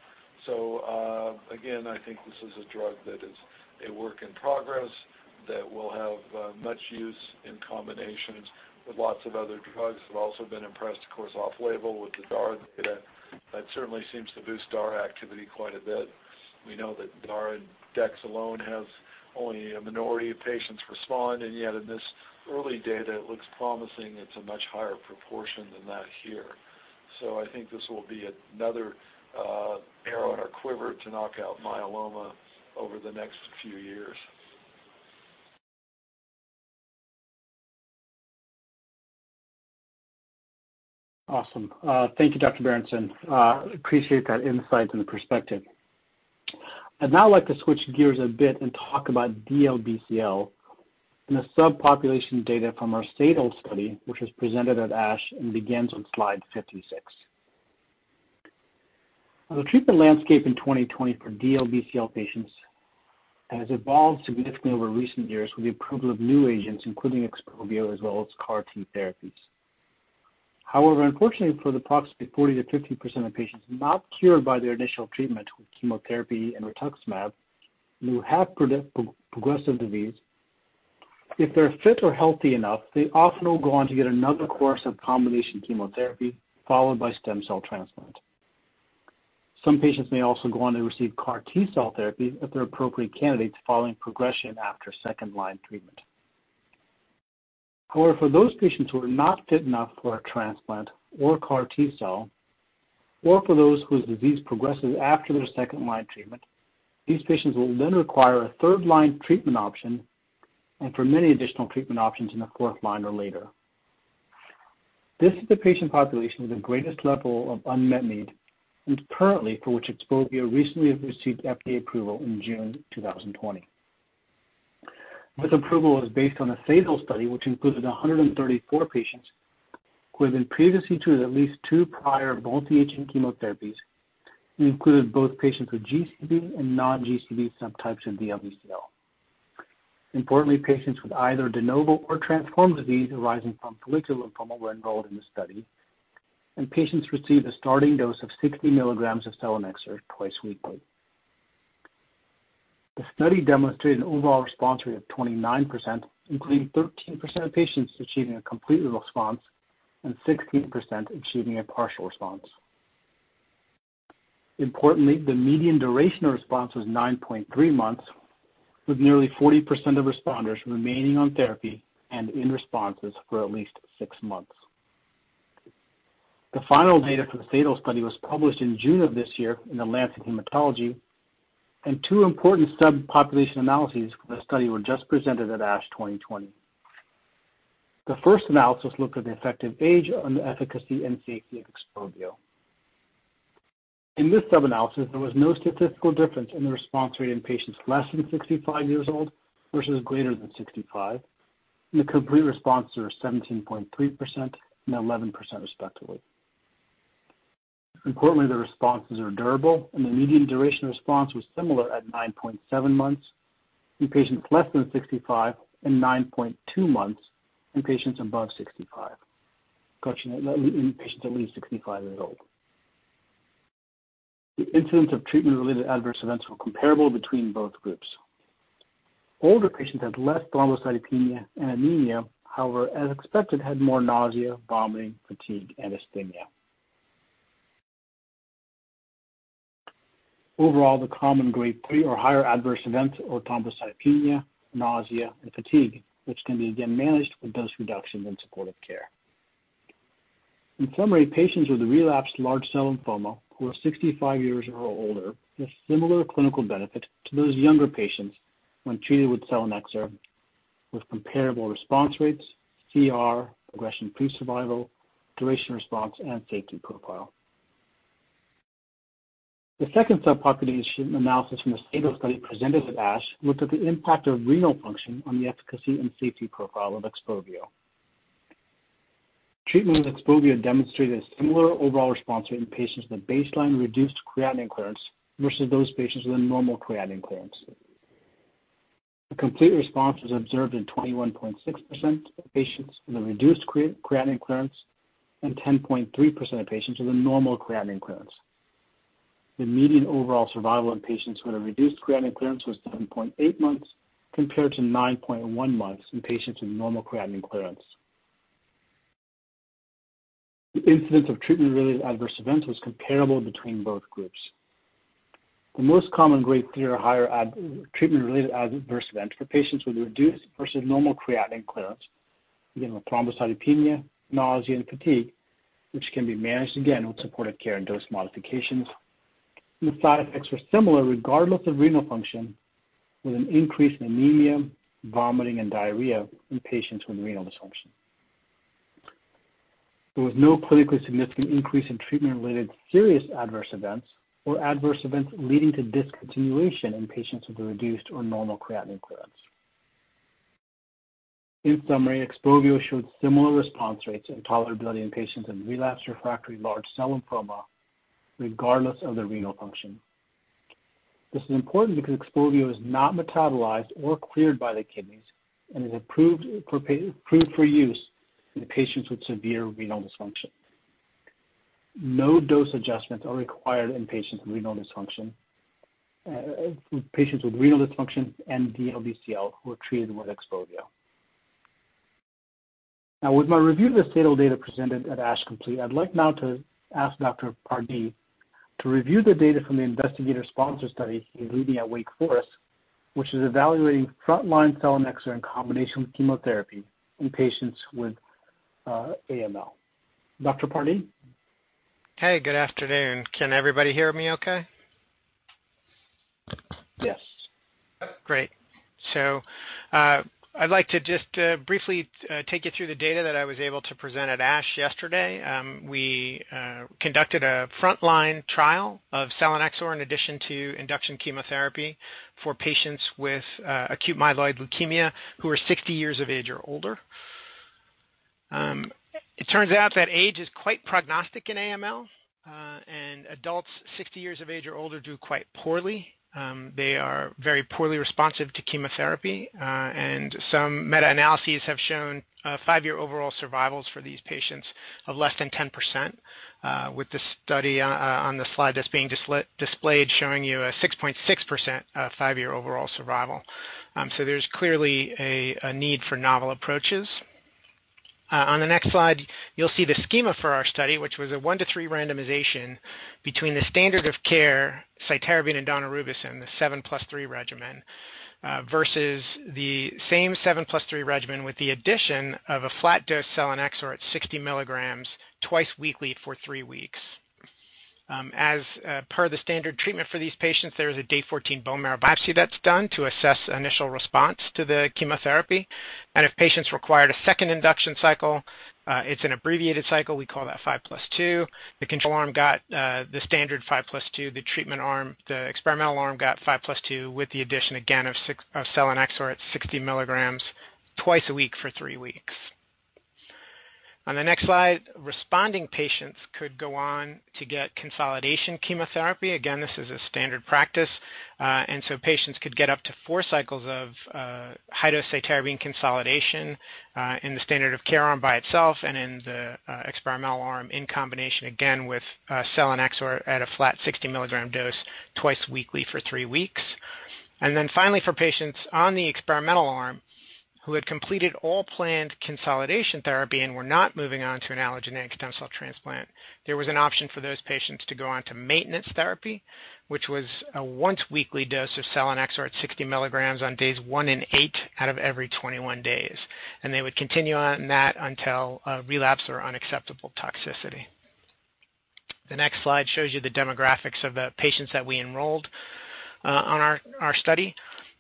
Again, I think this is a drug that is a work in progress that will have much use in combinations with lots of other drugs. I've also been impressed, of course, off-label with the dara data. That certainly seems to boost dara activity quite a bit. We know that dara and dex alone has only a minority of patients respond, and yet in this early data, it looks promising. It's a much higher proportion than that here. I think this will be another arrow in our quiver to knock out myeloma over the next few years. Awesome. Thank you, Dr. Berenson. Appreciate that insight and the perspective. I'd now like to switch gears a bit and talk about DLBCL and the subpopulation data from our SADAL study, which was presented at ASH and begins on slide 56. The treatment landscape in 2020 for DLBCL patients has evolved significantly over recent years with the approval of new agents, including XPOVIO, as well as CAR T therapies. However, unfortunately for the approximately 40%-50% of patients not cured by their initial treatment with chemotherapy and rituximab, who have progressive disease, if they're fit or healthy enough, they often will go on to get another course of combination chemotherapy, followed by stem cell transplant. Some patients may also go on to receive CAR T-cell therapy if they're appropriate candidates following progression after second-line treatment. For those patients who are not fit enough for a transplant or CAR T-cell, or for those whose disease progresses after their second-line treatment, these patients will then require a third-line treatment option and for many, additional treatment options in the fourth-line or later. This is the patient population with the greatest level of unmet need, and currently for which XPOVIO recently received FDA approval in June 2020. This approval was based on a SADAL study, which included 134 patients who had been previously treated with at least two prior multi-agent chemotherapies, and included both patients with GCB and non-GCB subtypes of DLBCL. Importantly, patients with either de novo or transformed disease arising from follicular lymphoma were enrolled in the study, and patients received a starting dose of 60 mg of selinexor twice weekly. The study demonstrated an overall response rate of 29%, including 13% of patients achieving a complete response and 16% achieving a partial response. Importantly, the median duration of response was 9.3 months, with nearly 40% of responders remaining on therapy and in responses for at least six months. The final data for the SADAL study was published in June of this year in The Lancet Haematology, and two important subpopulation analyses for the study were just presented at ASH 2020. The first analysis looked at the effect of age on the efficacy and safety of XPOVIO. In this sub-analysis, there was no statistical difference in the response rate in patients less than 65 years old versus greater than 65. The complete response rates were 17.3% and 11%, respectively. The responses are durable, and the median duration of response was similar at 9.7 months in patients less than 65 and 9.2 months in patients at least 65 years old. The incidence of treatment-related adverse events were comparable between both groups. Older patients had less thrombocytopenia and anemia, as expected, had more nausea, vomiting, fatigue, and asthenia. Overall, the common Grade 3 or higher adverse events were thrombocytopenia, nausea, and fatigue, which can be, again, managed with dose reductions and supportive care. Patients with relapsed large cell lymphoma who are 65 years or older have similar clinical benefit to those younger patients when treated with selinexor, with comparable response rates, CR, progression-free survival, duration response, and safety profile. The second subpopulation analysis from the SADAL study presented at ASH looked at the impact of renal function on the efficacy and safety profile of XPOVIO. Treatment with XPOVIO demonstrated a similar overall response rate in patients with baseline reduced creatinine clearance versus those patients with normal creatinine clearance. A complete response was observed in 21.6% of patients with a reduced creatinine clearance and 10.3% of patients with a normal creatinine clearance. The median overall survival in patients with a reduced creatinine clearance was 7.8 months, compared to 9.1 months in patients with normal creatinine clearance. The incidence of treatment-related adverse events was comparable between both groups. The most common Grade 3 or higher treatment-related adverse event for patients with reduced versus normal creatinine clearance, again, were thrombocytopenia, nausea, and fatigue, which can be managed, again, with supportive care and dose modifications. The side effects were similar regardless of renal function, with an increase in anemia, vomiting, and diarrhea in patients with renal dysfunction. There was no clinically significant increase in treatment-related serious adverse events or adverse events leading to discontinuation in patients with a reduced or normal creatinine clearance. In summary, XPOVIO showed similar response rates and tolerability in patients in relapse/refractory large cell lymphoma, regardless of their renal function. This is important because XPOVIO is not metabolized or cleared by the kidneys and is approved for use in patients with severe renal dysfunction. No dose adjustments are required in patients with renal dysfunction and DLBCL who are treated with XPOVIO. With my review of the SADAL data presented at ASH complete, I'd like now to ask Dr. Pardee to review the data from the investigator sponsor study he's leading at Wake Forest, which is evaluating frontline selinexor in combination with chemotherapy in patients with AML. Dr. Pardee? Hey, good afternoon. Can everybody hear me okay? Yes. Great. I'd like to just briefly take you through the data that I was able to present at ASH yesterday. We conducted a frontline trial of selinexor in addition to induction chemotherapy for patients with acute myeloid leukemia who are 60 years of age or older. It turns out that age is quite prognostic in AML, adults 60 years of age or older do quite poorly. They are very poorly responsive to chemotherapy. Some meta-analyses have shown five-year overall survivals for these patients of less than 10%, with the study on the slide that's being displayed showing you a 6.6% five-year overall survival. There's clearly a need for novel approaches. On the next slide, you'll see the schema for our study, which was a 1:3 randomization between the standard of care, cytarabine and daunorubicin, the 7 + 3 regimen, versus the same seven plus three regimen with the addition of a flat dose selinexor at 60 mg twice weekly for three weeks. As per the standard treatment for these patients, there is a day 14 bone marrow biopsy that's done to assess initial response to the chemotherapy. If patients required a second induction cycle, it's an abbreviated cycle, we call that 5 + 2. The control arm got the standard 5 + 2. The experimental arm got 5 + 2 with the addition, again, of selinexor at 60 mg twice a week for three weeks. On the next slide, responding patients could go on to get consolidation chemotherapy. Again, this is a standard practice. Patients could get up to four cycles of high-dose cytarabine consolidation in the standard of care arm by itself and in the experimental arm in combination, again, with selinexor at a flat 60-mg dose twice weekly for three weeks. Finally, for patients on the experimental arm who had completed all planned consolidation therapy and were not moving on to an allogeneic stem cell transplant, there was an option for those patients to go on to maintenance therapy, which was a once-weekly dose of selinexor at 60 mg on days one and eight out of every 21 days. They would continue on that until relapse or unacceptable toxicity. The next slide shows you the demographics of the patients that we enrolled on our study.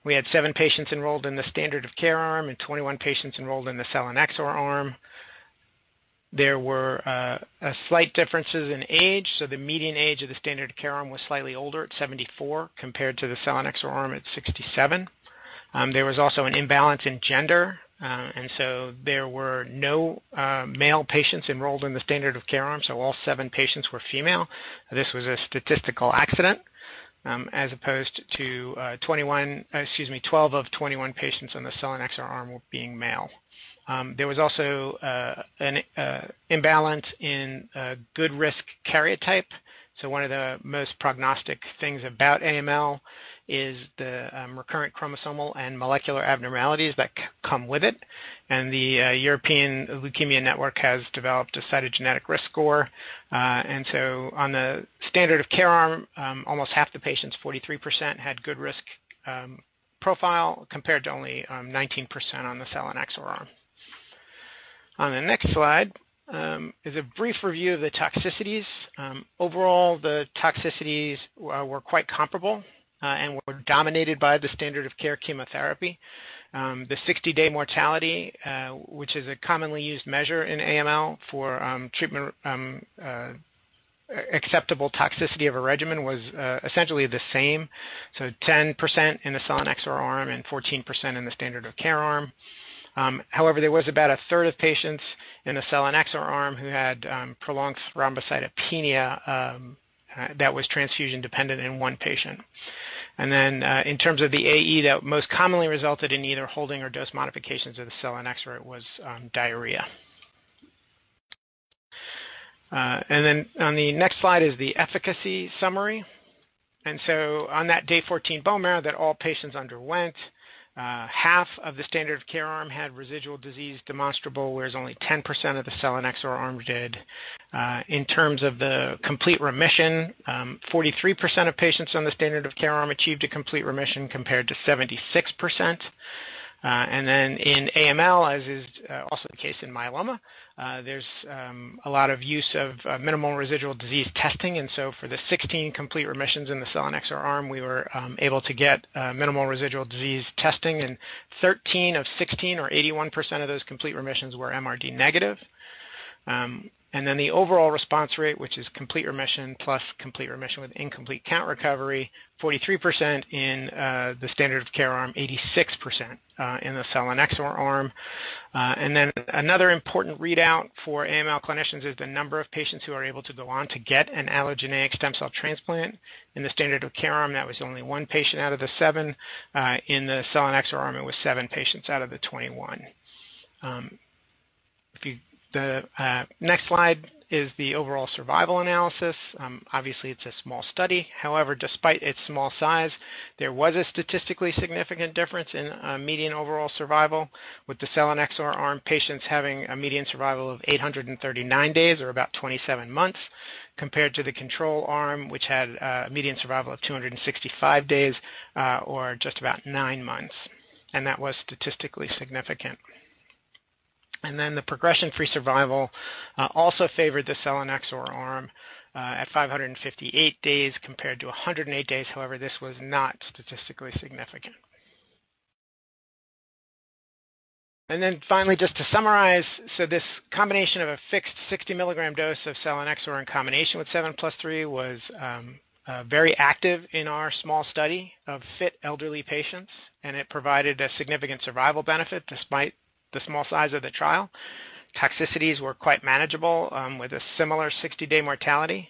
We had seven patients enrolled in the standard of care arm and 21 patients enrolled in the selinexor arm. There were slight differences in age, the median age of the standard of care arm was slightly older at 74 compared to the selinexor arm at 67. There was also an imbalance in gender. There were also no male patients enrolled in the standard of care arm, so all seven patients were female. This was a statistical accident as opposed to 12 of 21 patients on the selinexor arm being male. There was also an imbalance in good risk karyotype. One of the most prognostic things about AML is the recurrent chromosomal and molecular abnormalities that come with it. The European LeukemiaNet has developed a cytogenetic risk score. On the standard of care arm, almost half the patients, 43%, had good risk profile, compared to only 19% on the selinexor arm. On the next slide is a brief review of the toxicities. Overall, the toxicities were quite comparable and were dominated by the standard of care chemotherapy. The 60-day mortality, which is a commonly used measure in AML for treatment acceptable toxicity of a regimen, was essentially the same, so 10% in the selinexor arm and 14% in the standard of care arm. There was about 1/3 of patients in the selinexor arm who had prolonged thrombocytopenia that was transfusion dependent in one patient. In terms of the AE that most commonly resulted in either holding or dose modifications of the selinexor was diarrhea. On the next slide is the efficacy summary. On that day 14 bone marrow that all patients underwent, half of the standard of care arm had residual disease demonstrable, whereas only 10% of the selinexor arm did. In terms of the complete remission, 43% of patients on the standard of care arm achieved a complete remission compared to 76%. In AML, as is also the case in myeloma, there's a lot of use of minimal residual disease testing. For the 16 complete remissions in the selinexor arm, we were able to get minimal residual disease testing, and 13 of 16 or 81% of those complete remissions were MRD-negative. The overall response rate, which is complete remission plus complete remission with incomplete count recovery, 43% in the standard of care arm, 86% in the selinexor arm. Another important readout for AML clinicians is the number of patients who are able to go on to get an allogeneic stem cell transplant. In the standard of care arm, that was only one patient out of the seven. In the selinexor arm, it was seven patients out of the 21. The next slide is the overall survival analysis. Obviously, it's a small study. However, despite its small size, there was a statistically significant difference in median overall survival, with the selinexor arm patients having a median survival of 839 days, or about 27 months, compared to the control arm, which had a median survival of 265 days, or just about nine months. That was statistically significant. The progression-free survival also favored the selinexor arm at 558 days compared to 108 days. However, this was not statistically significant. Finally, just to summarize, this combination of a fixed 60 mg dose of selinexor in combination with 7 + 3 was very active in our small study of fit elderly patients, and it provided a significant survival benefit despite the small size of the trial. Toxicities were quite manageable, with a similar 60-day mortality.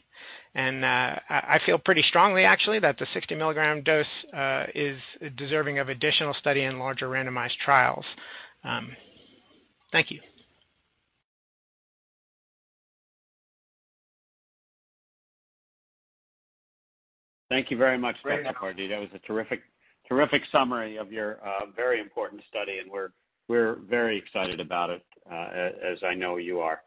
I feel pretty strongly, actually, that the 60 mg dose is deserving of additional study in larger randomized trials. Thank you. Thank you very much, Dr. Pardee. That was a terrific summary of your very important study, and we're very excited about it, as I know you are.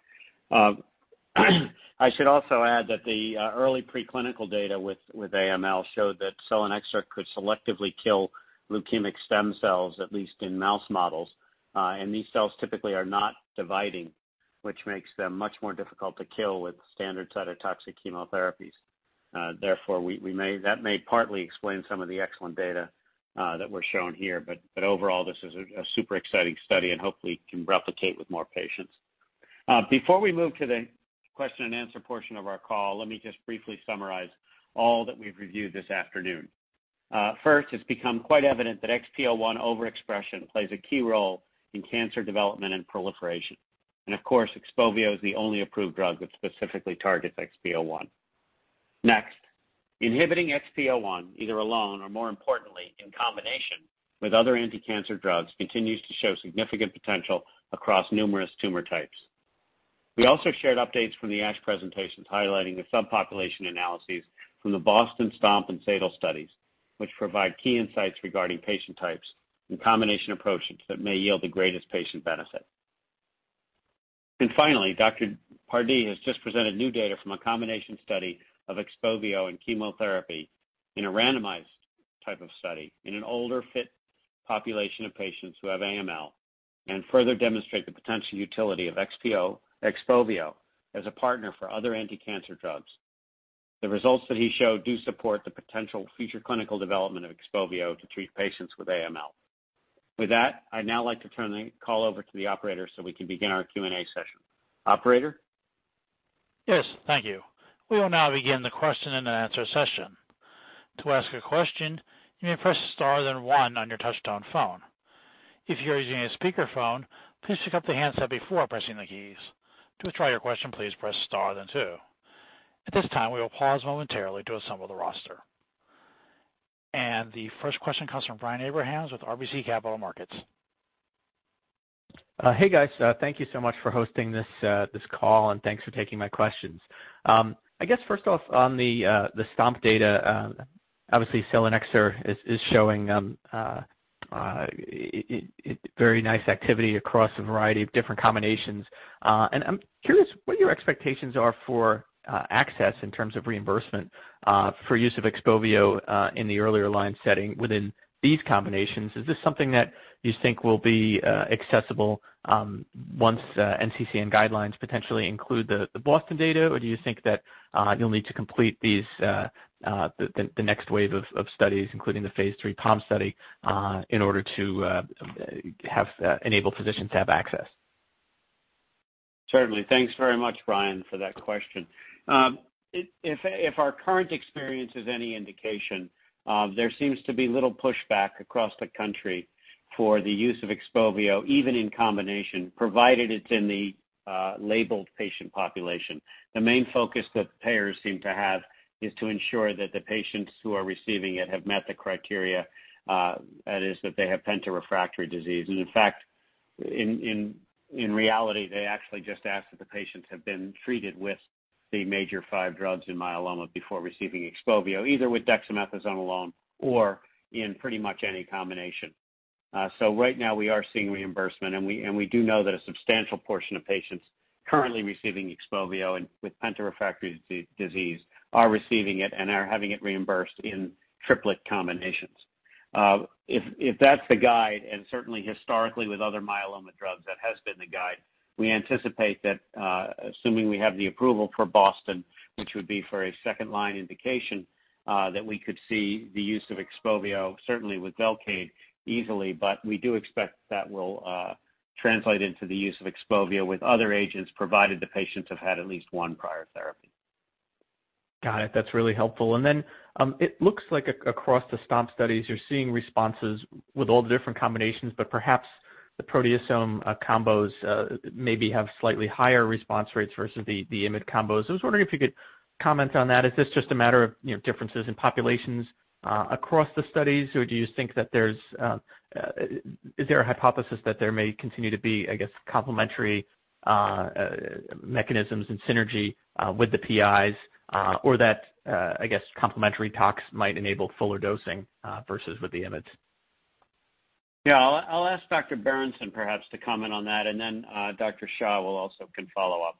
I should also add that the early preclinical data with AML showed that selinexor could selectively kill leukemic stem cells, at least in mouse models. These cells typically are not dividing, which makes them much more difficult to kill with standard cytotoxic chemotherapies. Therefore, that may partly explain some of the excellent data that we're shown here. Overall, this is a super exciting study and hopefully can replicate with more patients. Before we move to the question and answer portion of our call, let me just briefly summarize all that we've reviewed this afternoon. First, it's become quite evident that XPO1 overexpression plays a key role in cancer development and proliferation. Of course, XPOVIO is the only approved drug that specifically targets XPO1. Next, inhibiting XPO1, either alone or, more importantly, in combination with other anticancer drugs, continues to show significant potential across numerous tumor types. We also shared updates from the ASH presentations highlighting the subpopulation analyses from the BOSTON, STOMP, and SADAL studies, which provide key insights regarding patient types and combination approaches that may yield the greatest patient benefit. Finally, Dr. Pardee has just presented new data from a combination study of XPOVIO and chemotherapy in a randomized type of study in an older, fit population of patients who have AML and further demonstrate the potential utility of XPOVIO as a partner for other anticancer drugs. The results that he showed do support the potential future clinical development of XPOVIO to treat patients with AML. I'd now like to turn the call over to the operator so we can begin our Q&A session. Operator? Yes. Thank you. We will now begin the question and answer session. To ask a question, you may press star, then one on your touchtone phone. If you are using a speakerphone, please pick up the handset before pressing the keys. To withdraw your question, please press star, then two. At this time, we will pause momentarily to assemble the roster. The first question comes from Brian Abrahams with RBC Capital Markets. Hey, guys. Thank you so much for hosting this call, thanks for taking my questions. I guess first off, on the STOMP data, obviously selinexor is showing very nice activity across a variety of different combinations. I'm curious what your expectations are for access in terms of reimbursement for use of XPOVIO in the earlier line setting within these combinations. Is this something that you think will be accessible once NCCN guidelines potentially include the BOSTON data, or do you think that you'll need to complete the next wave of studies, including the phase III STOMP study, in order to enable physicians to have access? Certainly. Thanks very much, Brian, for that question. If our current experience is any indication, there seems to be little pushback across the country for the use of XPOVIO, even in combination, provided it's in the labeled patient population. The main focus that payers seem to have is to ensure that the patients who are receiving it have met the criteria, that is, that they have penta-refractory disease. In fact, in reality, they actually just ask that the patients have been treated with the major five drugs in myeloma before receiving XPOVIO, either with dexamethasone alone or in pretty much any combination. Right now, we are seeing reimbursement, and we do know that a substantial portion of patients currently receiving XPOVIO and with penta-refractory disease are receiving it and are having it reimbursed in triplet combinations. If that's the guide, certainly historically with other myeloma drugs, that has been the guide, we anticipate that assuming we have the approval for BOSTON, which would be for a second-line indication, that we could see the use of XPOVIO, certainly with Velcade easily. We do expect that will translate into the use of XPOVIO with other agents, provided the patients have had at least one prior therapy. Got it. That's really helpful. It looks like across the STOMP studies, you're seeing responses with all the different combinations, but perhaps the proteasome combos maybe have slightly higher response rates versus the IMiD combos. I was wondering if you could comment on that. Is this just a matter of differences in populations across the studies, or do you think that there's a hypothesis that there may continue to be complementary mechanisms and synergy with the PIs, or that complementary tox might enable fuller dosing versus with the IMiDs? Yeah. I'll ask Dr. Berenson perhaps to comment on that, and then Dr. Shah also can follow up.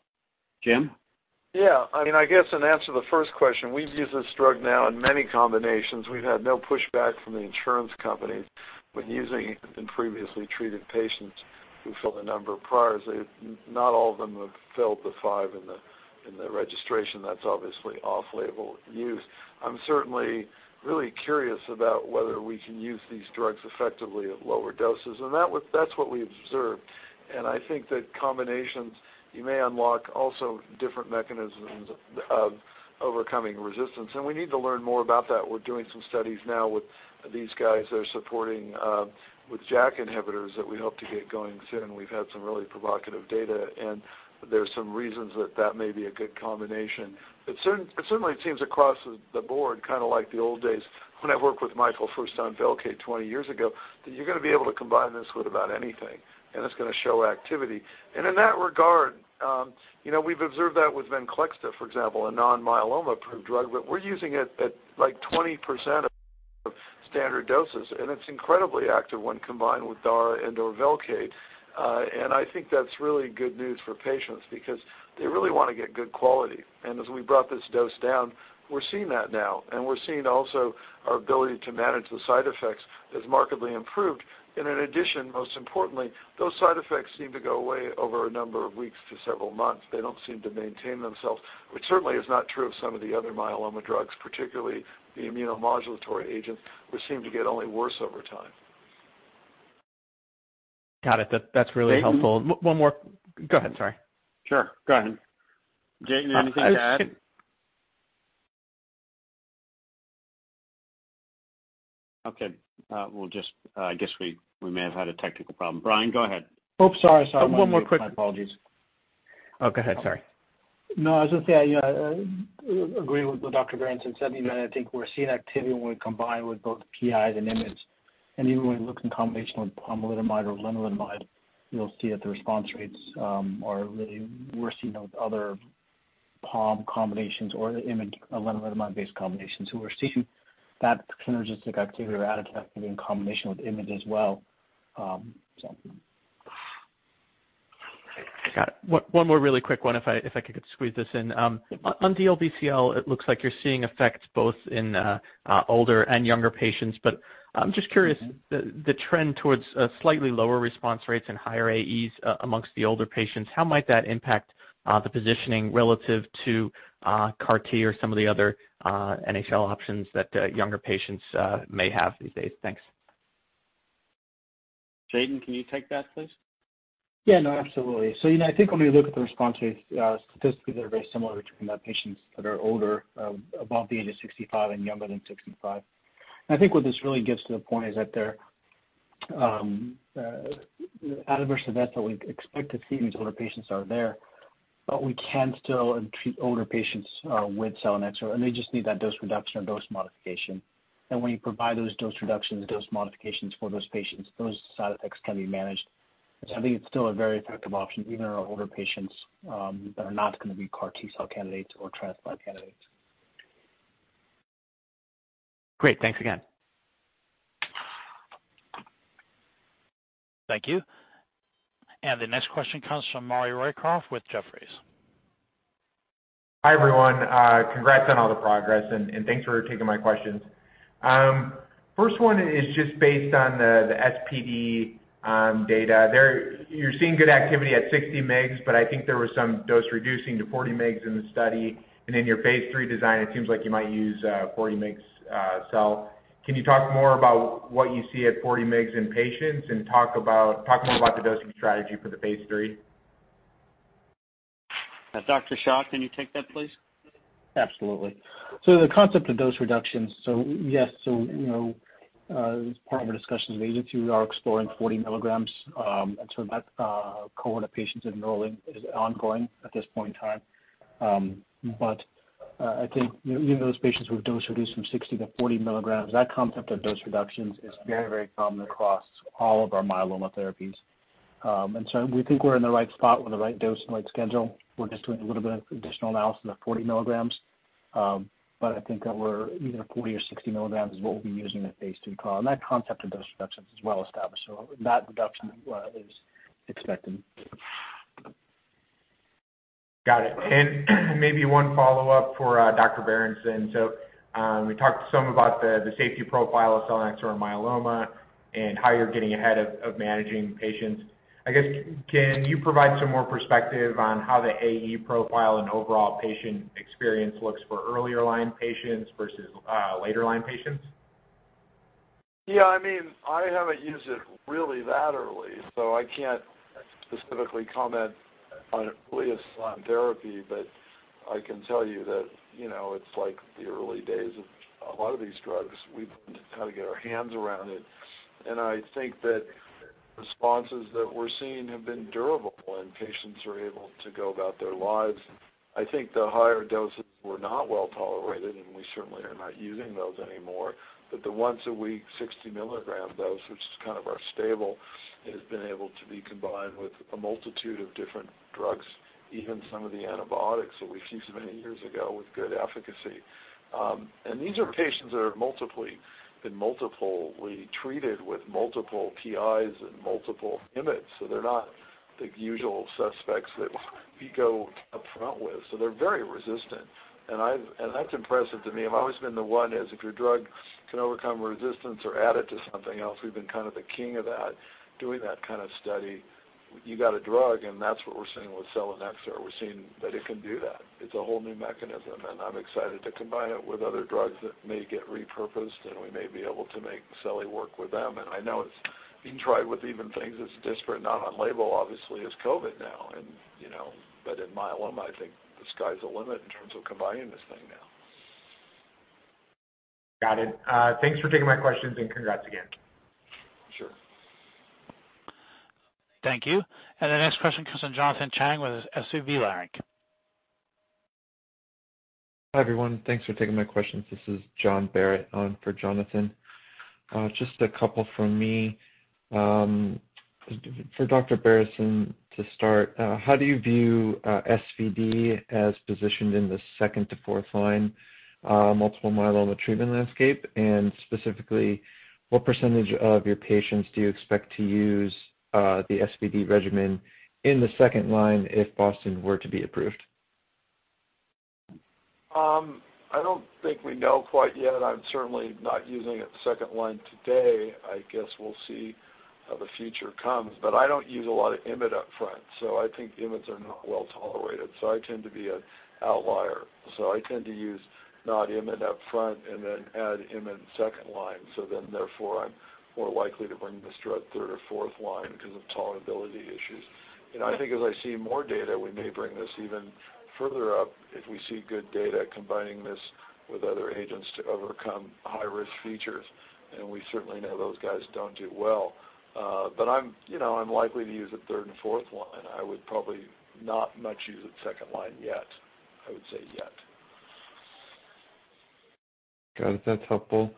Jim? Yeah. I guess in answer to the first question, we've used this drug now in many combinations. We've had no pushback from the insurance companies when using it in previously treated patients who've filled a number of priors. Not all of them have filled the five in the registration. That's obviously off-label use. I'm certainly really curious about whether we can use these drugs effectively at lower doses, that's what we observed. I think that combinations, you may unlock also different mechanisms of overcoming resistance, we need to learn more about that. We're doing some studies now with these guys that are supporting with JAK inhibitors that we hope to get going soon. We've had some really provocative data, there's some reasons that that may be a good combination. Certainly, it seems across the board, kind of like the old days when I worked with Michael first on Velcade 20 years ago, that you're going to be able to combine this with about anything, it's going to show activity. In that regard, we've observed that with Venclexta, for example, a non-myeloma-approved drug, but we're using it at 20% of standard doses, and it's incredibly active when combined with Darzalex and/or Velcade. I think that's really good news for patients because they really want to get good quality. As we brought this dose down, we're seeing that now, and we're seeing also our ability to manage the side effects has markedly improved. In addition, most importantly, those side effects seem to go away over a number of weeks to several months. They don't seem to maintain themselves, which certainly is not true of some of the other myeloma drugs, particularly the immunomodulatory agents, which seem to get only worse over time. Got it. That's really helpful. Jatin- Go ahead, sorry. Sure, go ahead. Jatin, anything to add? Okay. I guess we may have had a technical problem. Brian, go ahead. Oops, sorry. Sorry. One more quick- My apologies. Go ahead, sorry. I was going to say I agree with what Dr. Berenson said. I think we're seeing activity when we combine with both PIs and IMiDs. Even when you look in combination with pomalidomide or lenalidomide, you'll see that the response rates are we're seeing those other POM combinations or the IMiD lenalidomide-based combinations. We're seeing that synergistic activity or additive activity in combination with IMiD as well. Got it. One more really quick one, if I could squeeze this in. Yeah. On DLBCL, it looks like you're seeing effects both in older and younger patients. I'm just curious, the trend towards slightly lower response rates and higher AEs amongst the older patients, how might that impact the positioning relative to CAR T or some of the other NHL options that younger patients may have these days? Thanks. Jatin, can you take that, please? Yeah, no, absolutely. I think when we look at the response rates, statistically, they're very similar between the patients that are older, above the age of 65, and younger than 65. I think what this really gets to the point is that the adverse events that we'd expect to see in these older patients are there, but we can still treat older patients with selinexor, and they just need that dose reduction or dose modification. When you provide those dose reductions or dose modifications for those patients, those side effects can be managed. I think it's still a very effective option, even in our older patients that are not going to be CAR T candidates or transplant candidates. Great. Thanks again. Thank you. The next question comes from Maury Raycroft with Jefferies. Hi, everyone. Congrats on all the progress, thanks for taking my questions. First one is just based on the SPd data. You're seeing good activity at 60 mg, I think there was some dose-reducing to 40 mg in the study. In your phase III design, it seems like you might use a 40 mg seli. Can you talk more about what you see at 40 mg in patients, and talk more about the dosing strategy for the phase III? Dr. Shah, can you take that, please? Absolutely. The concept of dose reductions, yes, as part of our discussions with the agency, we are exploring 40 mg. That cohort of patients enrolling is ongoing at this point in time. I think even those patients who have dose reduced from 60 mg-40 mg, that concept of dose reductions is very, very common across all of our myeloma therapies. We think we're in the right spot with the right dose and the right schedule. We're just doing a little bit of additional analysis of 40 mg, but I think that either 40 mg or 60 mg is what we'll be using at phase II trial. That concept of dose reductions is well-established, so that reduction is expected. Got it. Maybe one follow-up for Dr. Berenson. We talked some about the safety profile of selinexor myeloma and how you're getting ahead of managing patients. I guess, can you provide some more perspective on how the AE profile and overall patient experience looks for earlier-line patients versus later-line patients? Yeah. I haven't used it really that early, so I can't specifically comment on earliest line therapy, but I can tell you that it's like the early days of a lot of these drugs. We've learned to kind of get our hands around it, and I think that responses that we're seeing have been durable, and patients are able to go about their lives. I think the higher doses were not well-tolerated, and we certainly are not using those anymore. The once-a-week 60-mg dose, which is kind of our stable Has been able to be combined with a multitude of different drugs, even some of the antibiotics that we ceased many years ago with good efficacy. These are patients that have multiply been multiply treated with multiple PIs and multiple IMiDs. They're not the usual suspects that we go up front with. They're very resistant, and that's impressive to me. I've always been the one is, if your drug can overcome resistance or add it to something else, we've been kind of the king of that, doing that kind of study. You got a drug, and that's what we're seeing with selinexor. We're seeing that it can do that. It's a whole new mechanism, and I'm excited to combine it with other drugs that may get repurposed, and we may be able to make selinexor work with them. I know it's being tried with even things that's disparate, not on label, obviously, is COVID now. In myeloma, I think the sky's the limit in terms of combining this thing now. Got it. Thanks for taking my questions, and congrats again. Sure. Thank you. The next question comes from Jonathan Chang with SVB Leerink. Hi, everyone. Thanks for taking my questions. This is John Barrett on for Jonathan. Just a couple from me. For Dr. Berenson to start, how do you view SVd as positioned in the second to fourth-line, multiple myeloma treatment landscape? Specifically, what percentage of your patients do you expect to use the SVd regimen in the second-line if BOSTON were to be approved? I don't think we know quite yet. I'm certainly not using it second-line today. I guess we'll see how the future comes. I don't use a lot of IMiD up front. I think IMiDs are not well-tolerated. I tend to be an outlier. I tend to use not IMiD up front and then add IMiD second-line. Therefore, I'm more likely to bring this drug third or fourth-line because of tolerability issues. I think as I see more data, we may bring this even further up if we see good data combining this with other agents to overcome high-risk features. We certainly know those guys don't do well. I'm likely to use it third and fourth-line. I would probably not much use it second-line yet. I would say yet. Got it. That's helpful.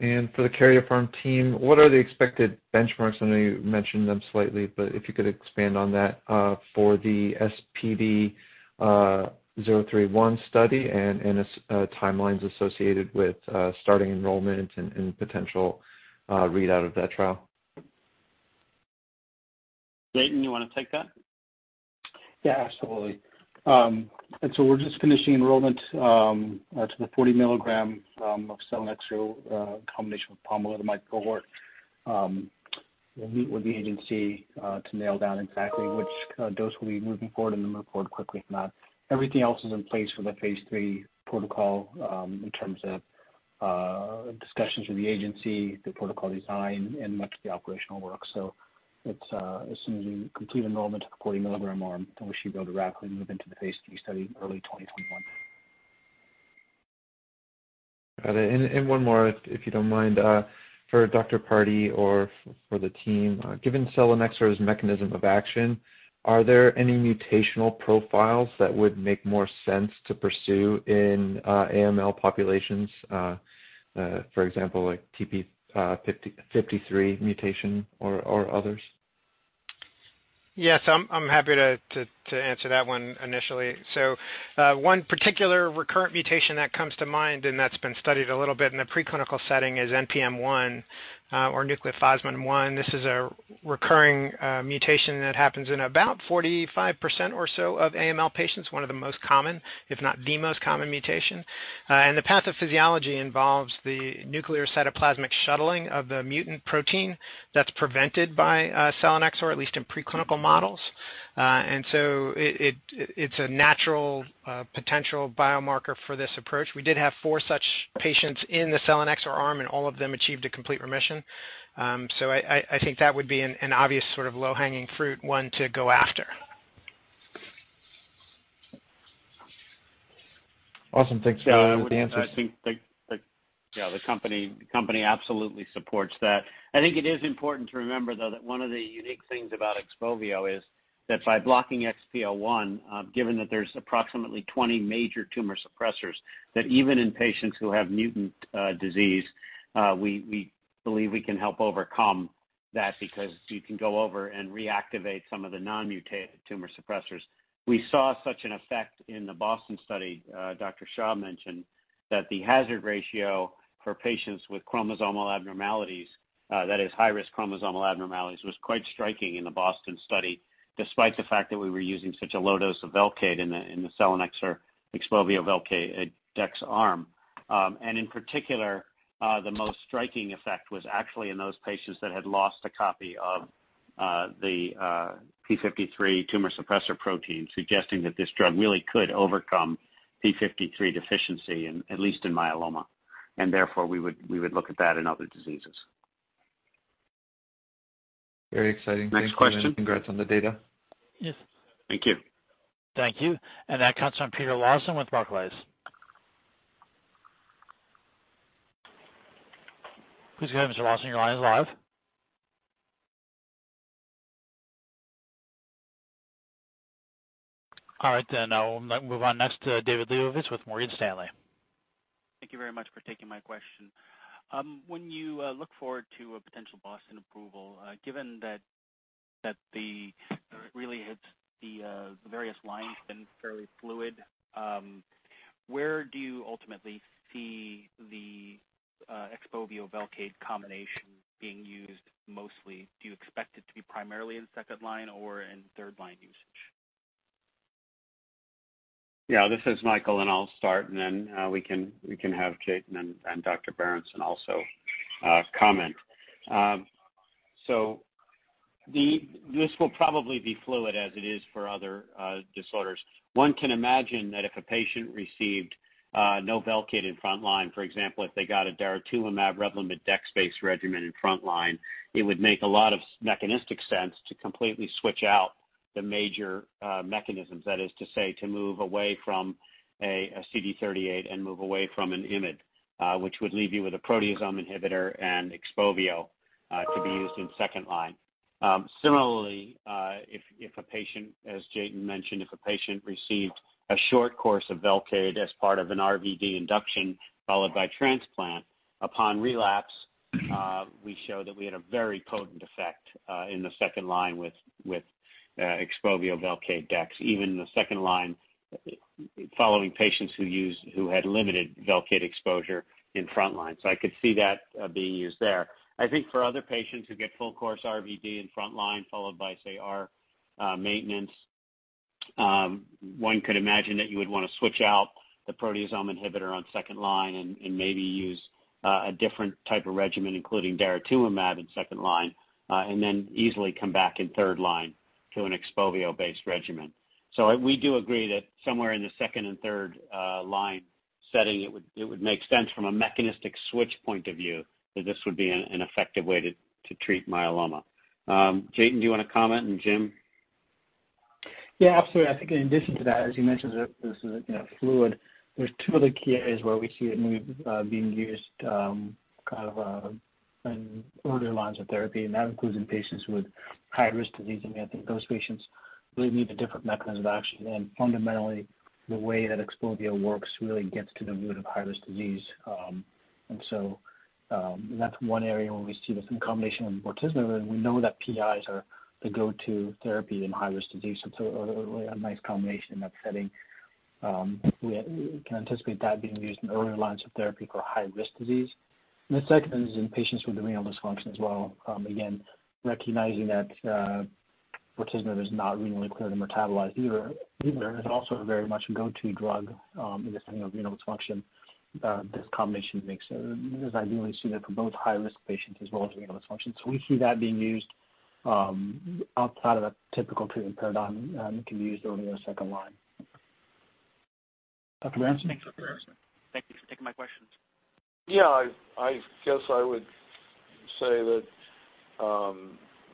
For the Karyopharm team, what are the expected benchmarks? I know you mentioned them slightly, but if you could expand on that for the SPd-031 study and timelines associated with starting enrollment and potential readout of that trial. Jatin, you want to take that? Yeah, absolutely. We're just finishing enrollment to the 40-mg of selinexor combination with pomalidomide cohort. We'll meet with the agency to nail down exactly which dose we'll be moving forward and then report quickly from that. Everything else is in place for the phase III protocol in terms of discussions with the agency, the protocol design, and much of the operational work. As soon as we complete enrollment of the 40-mg arm, we should be able to rapidly move into the phase III study early 2021. Got it. One more, if you don't mind. For Dr. Pardee or for the team, given selinexor's mechanism of action, are there any mutational profiles that would make more sense to pursue in AML populations, for example, like TP53 mutation or others? Yes, I'm happy to answer that one initially. One particular recurrent mutation that comes to mind and that's been studied a little bit in the preclinical setting is NPM1 or nucleophosmin-1. This is a recurring mutation that happens in about 45% or so of AML patients, one of the most common, if not the most common mutation. The pathophysiology involves the nuclear cytoplasmic shuttling of the mutant protein that's prevented by selinexor, at least in preclinical models. It's a natural potential biomarker for this approach. We did have four such patients in the selinexor arm, and all of them achieved a complete remission. I think that would be an obvious sort of low-hanging fruit one to go after. Awesome. Thanks for the answers. I think the company absolutely supports that. I think it is important to remember, though, that one of the unique things about XPOVIO is that by blocking XPO1, given that there's approximately 20 major tumor suppressors, that even in patients who have mutant disease, we believe we can help overcome that because you can go over and reactivate some of the non-mutated tumor suppressors. We saw such an effect in the BOSTON study Dr. Shah mentioned, that the hazard ratio for patients with chromosomal abnormalities, that is high-risk chromosomal abnormalities, was quite striking in the BOSTON study, despite the fact that we were using such a low dose of Velcade in the selinexor, XPOVIO, Velcade dex arm. In particular, the most striking effect was actually in those patients that had lost a copy of the p53 tumor suppressor protein, suggesting that this drug really could overcome p53 deficiency, at least in myeloma. Therefore, we would look at that in other diseases. Very exciting. Next question. Thanks, congrats on the data. Yes. Thank you. Thank you. That comes from Peter Lawson with Barclays. Please go ahead, Mr. Lawson. Your line is live. I'll move on next to David Lebovitz with Morgan Stanley. Thank you very much for taking my question. When you look forward to a potential BOSTON approval, given that the really hits the various lines been fairly fluid, where do you ultimately see the XPOVIO Velcade combination being used mostly? Do you expect it to be primarily in second-line or in third-line usage? Yeah, this is Michael. I'll start, then we can have Jatin and Dr. Berenson also comment. This will probably be fluid as it is for other disorders. One can imagine that if a patient received no Velcade in front line, for example, if they got a daratumumab Revlimid dex-based regimen in front line, it would make a lot of mechanistic sense to completely switch out the major mechanisms. That is to say, to move away from a CD38 and move away from an IMiD, which would leave you with a proteasome inhibitor and XPOVIO to be used in second-line. Similarly, if a patient, as Jatin mentioned, if a patient received a short course of Velcade as part of an RVD induction followed by transplant, upon relapse, we show that we had a very potent effect in the second-line with XPOVIO Velcade dex, even in the second-line following patients who had limited Velcade exposure in front line. I could see that being used there. I think for other patients who get full course RVD in front line followed by, say, R maintenance, one could imagine that you would want to switch out the proteasome inhibitor on second-line and maybe use a different type of regimen, including daratumumab in second-line, and then easily come back in third-line to an XPOVIO-based regimen. We do agree that somewhere in the 2 line and 3 line setting, it would make sense from a mechanistic switch point of view that this would be an effective way to treat myeloma. Jatin, do you want to comment, and Jim? Yeah, absolutely. I think in addition to that, as you mentioned, this is fluid. There's two other key areas where we see it being used in earlier lines of therapy, and that includes in patients with high-risk disease. I think those patients really need a different mechanism of action. Fundamentally, the way that XPOVIO works really gets to the root of high-risk disease. That's one area where we see this in combination with bortezomib, and we know that PIs are the go-to therapy in high-risk disease. It's a really nice combination in that setting. We can anticipate that being used in earlier lines of therapy for high-risk disease. The second is in patients with renal dysfunction as well. Again, recognizing that bortezomib is not renally cleared or metabolized either, it is also very much a go-to drug in this setting of renal dysfunction. This combination is ideally suited for both high-risk patients as well as renal dysfunction. We see that being used outside of the typical treatment paradigm and can be used early or second-line. Dr. Berenson? Thanks, Dr. Berenson. Thank you for taking my questions. I guess I would say that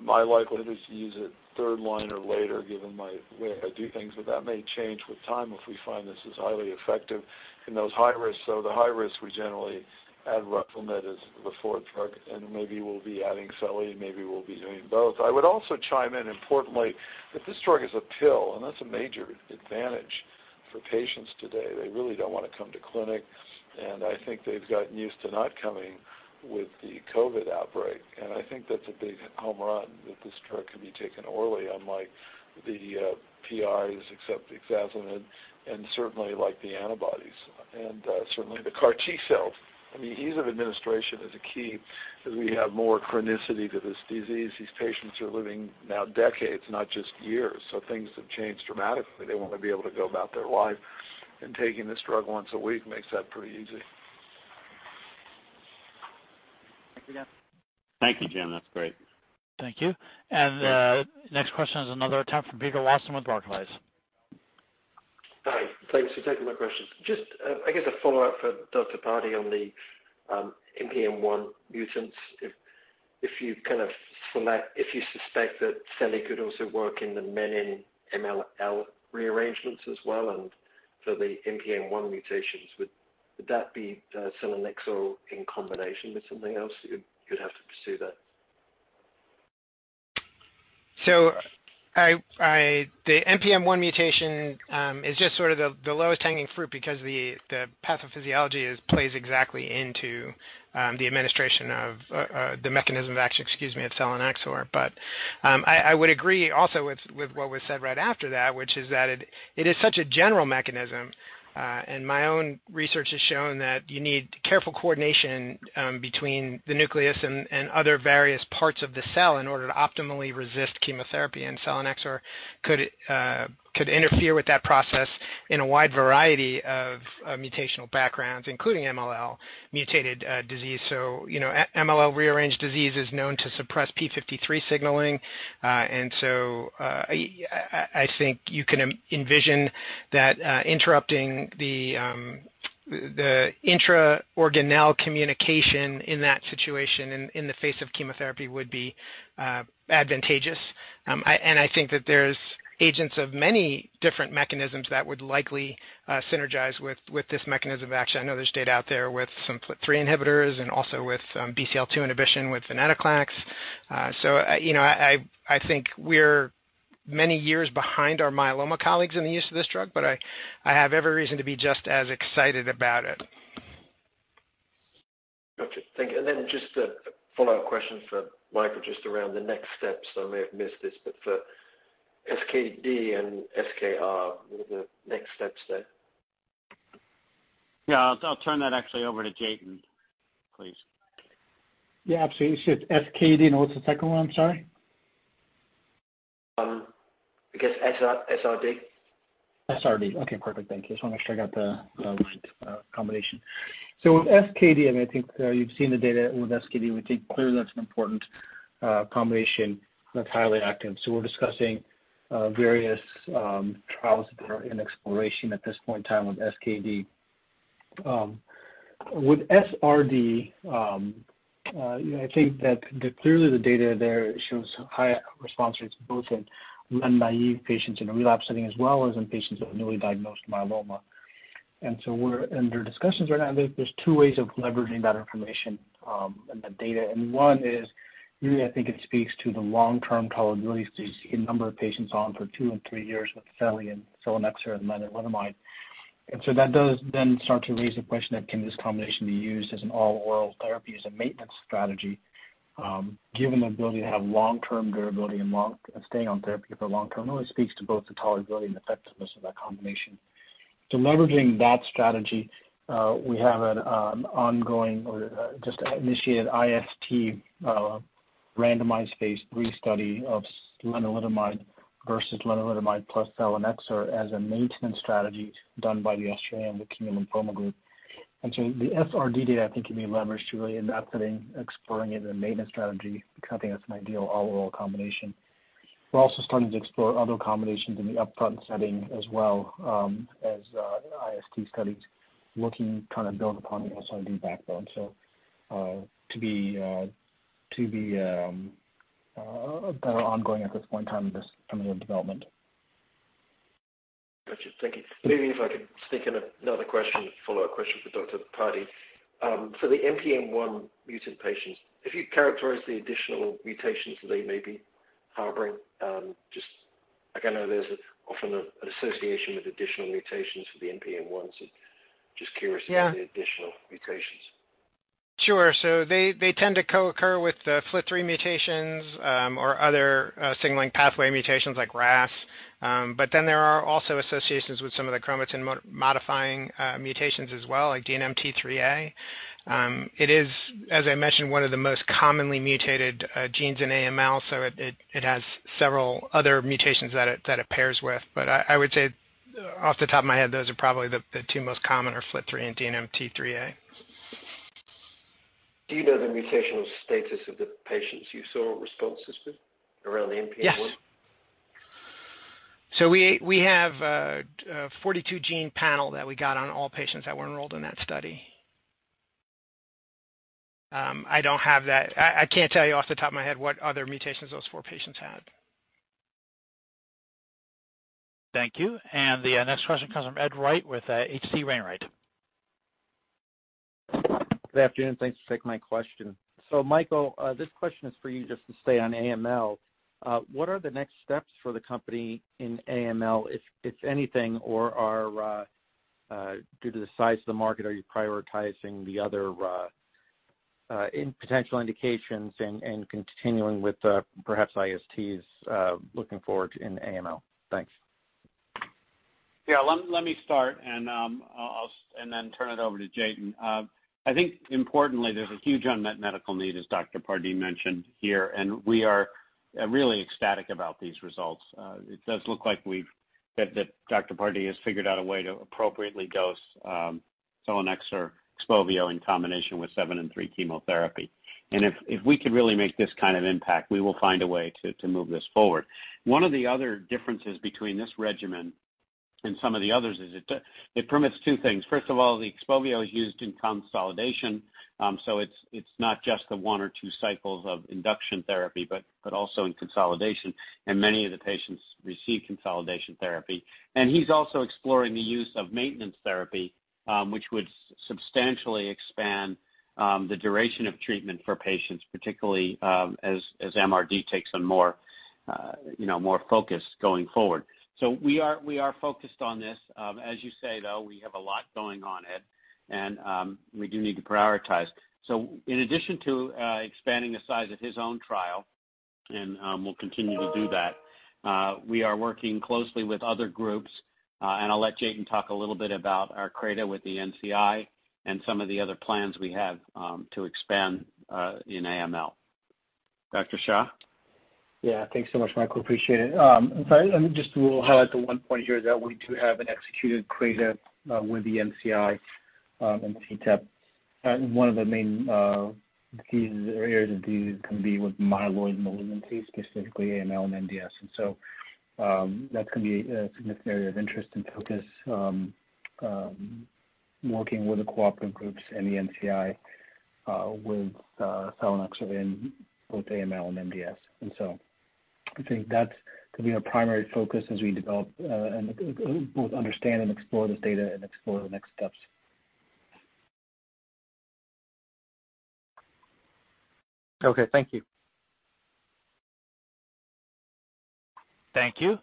my likelihood is to use it third-line or later given my way I do things, but that may change with time if we find this is highly effective in those high risks. The high risks, we generally add Revlimid as the fourth drug, and maybe we'll be adding seli, maybe we'll be doing both. I would also chime in importantly that this drug is a pill, and that's a major advantage for patients today. They really don't want to come to clinic, and I think they've gotten used to not coming with the COVID outbreak. I think that's a big home run that this drug can be taken orally unlike the PIs except ixazomib and certainly like the antibodies and certainly the CAR T-cells. The ease of administration is a key as we have more chronicity to this disease. These patients are living now decades, not just years. Things have changed dramatically. They want to be able to go about their life and taking this drug once a week makes that pretty easy. Thank you, Jim. Thank you, Jim. That's great. Thank you. The next question is another attempt from Peter Lawson with Barclays. Hi. Thanks for taking my questions. Just I guess a follow-up for Dr. Pardee on the NPM1 mutants. If you suspect that seli could also work in the Menin-MLL rearrangements as well, and for the NPM1 mutations, would that be selinexor in combination with something else you'd have to pursue that? The NPM1 mutation is just sort of the lowest hanging fruit because the pathophysiology plays exactly into the mechanism of action of selinexor. I would agree also with what was said right after that, which is that it is such a general mechanism, and my own research has shown that you need careful coordination between the nucleus and other various parts of the cell in order to optimally resist chemotherapy, and selinexor could interfere with that process in a wide variety of mutational backgrounds, including MLL mutated disease. MLL rearranged disease is known to suppress p53 signaling, I think you can envision that interrupting the intra-organelle communication in that situation in the face of chemotherapy would be advantageous. I think that there's agents of many different mechanisms that would likely synergize with this mechanism of action. I know there's data out there with some FLT3 inhibitors and also with BCL-2 inhibition with venetoclax. I think we're many years behind our myeloma colleagues in the use of this drug, but I have every reason to be just as excited about it. Gotcha. Thank you. Just a follow-up question for Michael, just around the next steps. I may have missed this, for SKd and SRd, what are the next steps there? Yeah, I'll turn that actually over to Jatin, please. Yeah, absolutely. You said SKd, and what's the second one? I'm sorry. I guess SRd. SRd. Okay, perfect. Thank you. I just wanted to make sure I got the right combination. With SKd, and I think you've seen the data with SKd, we think clearly that's an important combination that's highly active. We're discussing various trials that are in exploration at this point in time with SKd. With SRd, I think that clearly the data there shows high response rates both in naive patients in a relapse setting as well as in patients with newly diagnosed myeloma. We're under discussions right now. There's two ways of leveraging that information and the data. One is really, I think it speaks to the long-term tolerability. You see a number of patients on for two and three years with Phelie and selinexor and lenalidomide. That does then start to raise the question of can this combination be used as an all-oral therapy, as a maintenance strategy, given the ability to have long-term durability and staying on therapy for long-term really speaks to both the tolerability and effectiveness of that combination. Leveraging that strategy, we have an ongoing or just initiated IST randomized phase III study of lenalidomide versus lenalidomide plus selinexor as a maintenance strategy done by the Australasian Leukaemia & Lymphoma Group. The SRd data I think can be leveraged to really in the upfront setting exploring it in a maintenance strategy because I think that's an ideal all-oral combination. We're also starting to explore other combinations in the upfront setting as well as IST studies looking to kind of build upon the SRd backbone. To be better ongoing at this point in time in this clinical development. Gotcha. Thank you. Maybe if I could sneak in another question, a follow-up question for Dr. Pardee. The NPM1 mutant patients, if you'd characterize the additional mutations they may be harboring. Just again, I know there's often an association with additional mutations for the NPM1, just curious. Yeah. About the additional mutations. Sure. They tend to co-occur with the FLT3 mutations or other signaling pathway mutations like RAS. There are also associations with some of the chromatin-modifying mutations as well, like DNMT3A. It is, as I mentioned, one of the most commonly mutated genes in AML, so it has several other mutations that it pairs with. I would say off the top of my head, those are probably the two most common are FLT3 and DNMT3A. Do you know the mutational status of the patients you saw responses with around the NPM1? Yes. We have a 42-gene panel that we got on all patients that were enrolled in that study. I don't have that. I can't tell you off the top of my head what other mutations those four patients had. Thank you. The next question comes from Edward White with H.C. Wainwright. Good afternoon, thanks for taking my question. Michael, this question is for you just to stay on AML. What are the next steps for the company in AML, if anything, or due to the size of the market, are you prioritizing the other potential indications and continuing with perhaps ISTs looking forward in AML? Thanks. Yeah. Let me start and then turn it over to Jatin. I think importantly, there's a huge unmet medical need, as Dr. Pardee mentioned here, and we are really ecstatic about these results. It does look like that Dr. Pardee has figured out a way to appropriately dose selinexor, XPOVIO, in combination with 7 + 3 chemotherapy. If we could really make this kind of impact, we will find a way to move this forward. One of the other differences between this regimen and some of the others is it permits two things. First of all, the XPOVIO is used in consolidation, so it's not just the one or two cycles of induction therapy, but also in consolidation, and many of the patients receive consolidation therapy. He's also exploring the use of maintenance therapy, which would substantially expand the duration of treatment for patients, particularly as MRD takes on more focus going forward. We are focused on this. As you say, though, we have a lot going on, Ed, and we do need to prioritize. In addition to expanding the size of his own trial, and we'll continue to do that, we are working closely with other groups. I'll let Jatin talk a little bit about our CRADA with the NCI and some of the other plans we have to expand in AML. Dr. Shah? Yeah. Thanks so much, Michael. Appreciate it. Let me just highlight the one point here that we do have an executed CRADA with the NCI and the CTEP. One of the main keys or areas of view can be with myeloid malignancies, specifically AML and MDS. That's going to be a significant area of interest and focus working with the cooperative groups and the NCI with selinexor in both AML and MDS. I think that could be our primary focus as we develop and both understand and explore this data and explore the next steps. Okay. Thank you. Thank you.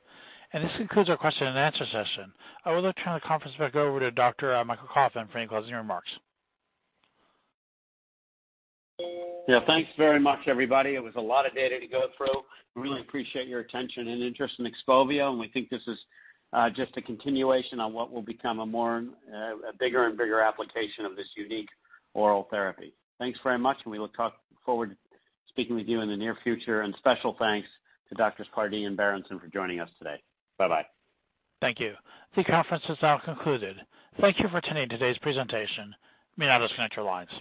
This concludes our question and answer session. I would like to turn the conference back over to Dr. Michael Kauffman for any closing remarks. Yeah. Thanks very much, everybody. It was a lot of data to go through. We really appreciate your attention and interest in XPOVIO. We think this is just a continuation on what will become a bigger and bigger application of this unique oral therapy. Thanks very much. We look forward to speaking with you in the near future. Special thanks to Doctors Pardee and Berenson for joining us today. Bye-bye. Thank you. The conference is now concluded. Thank you for attending today's presentation. You may disconnect your lines.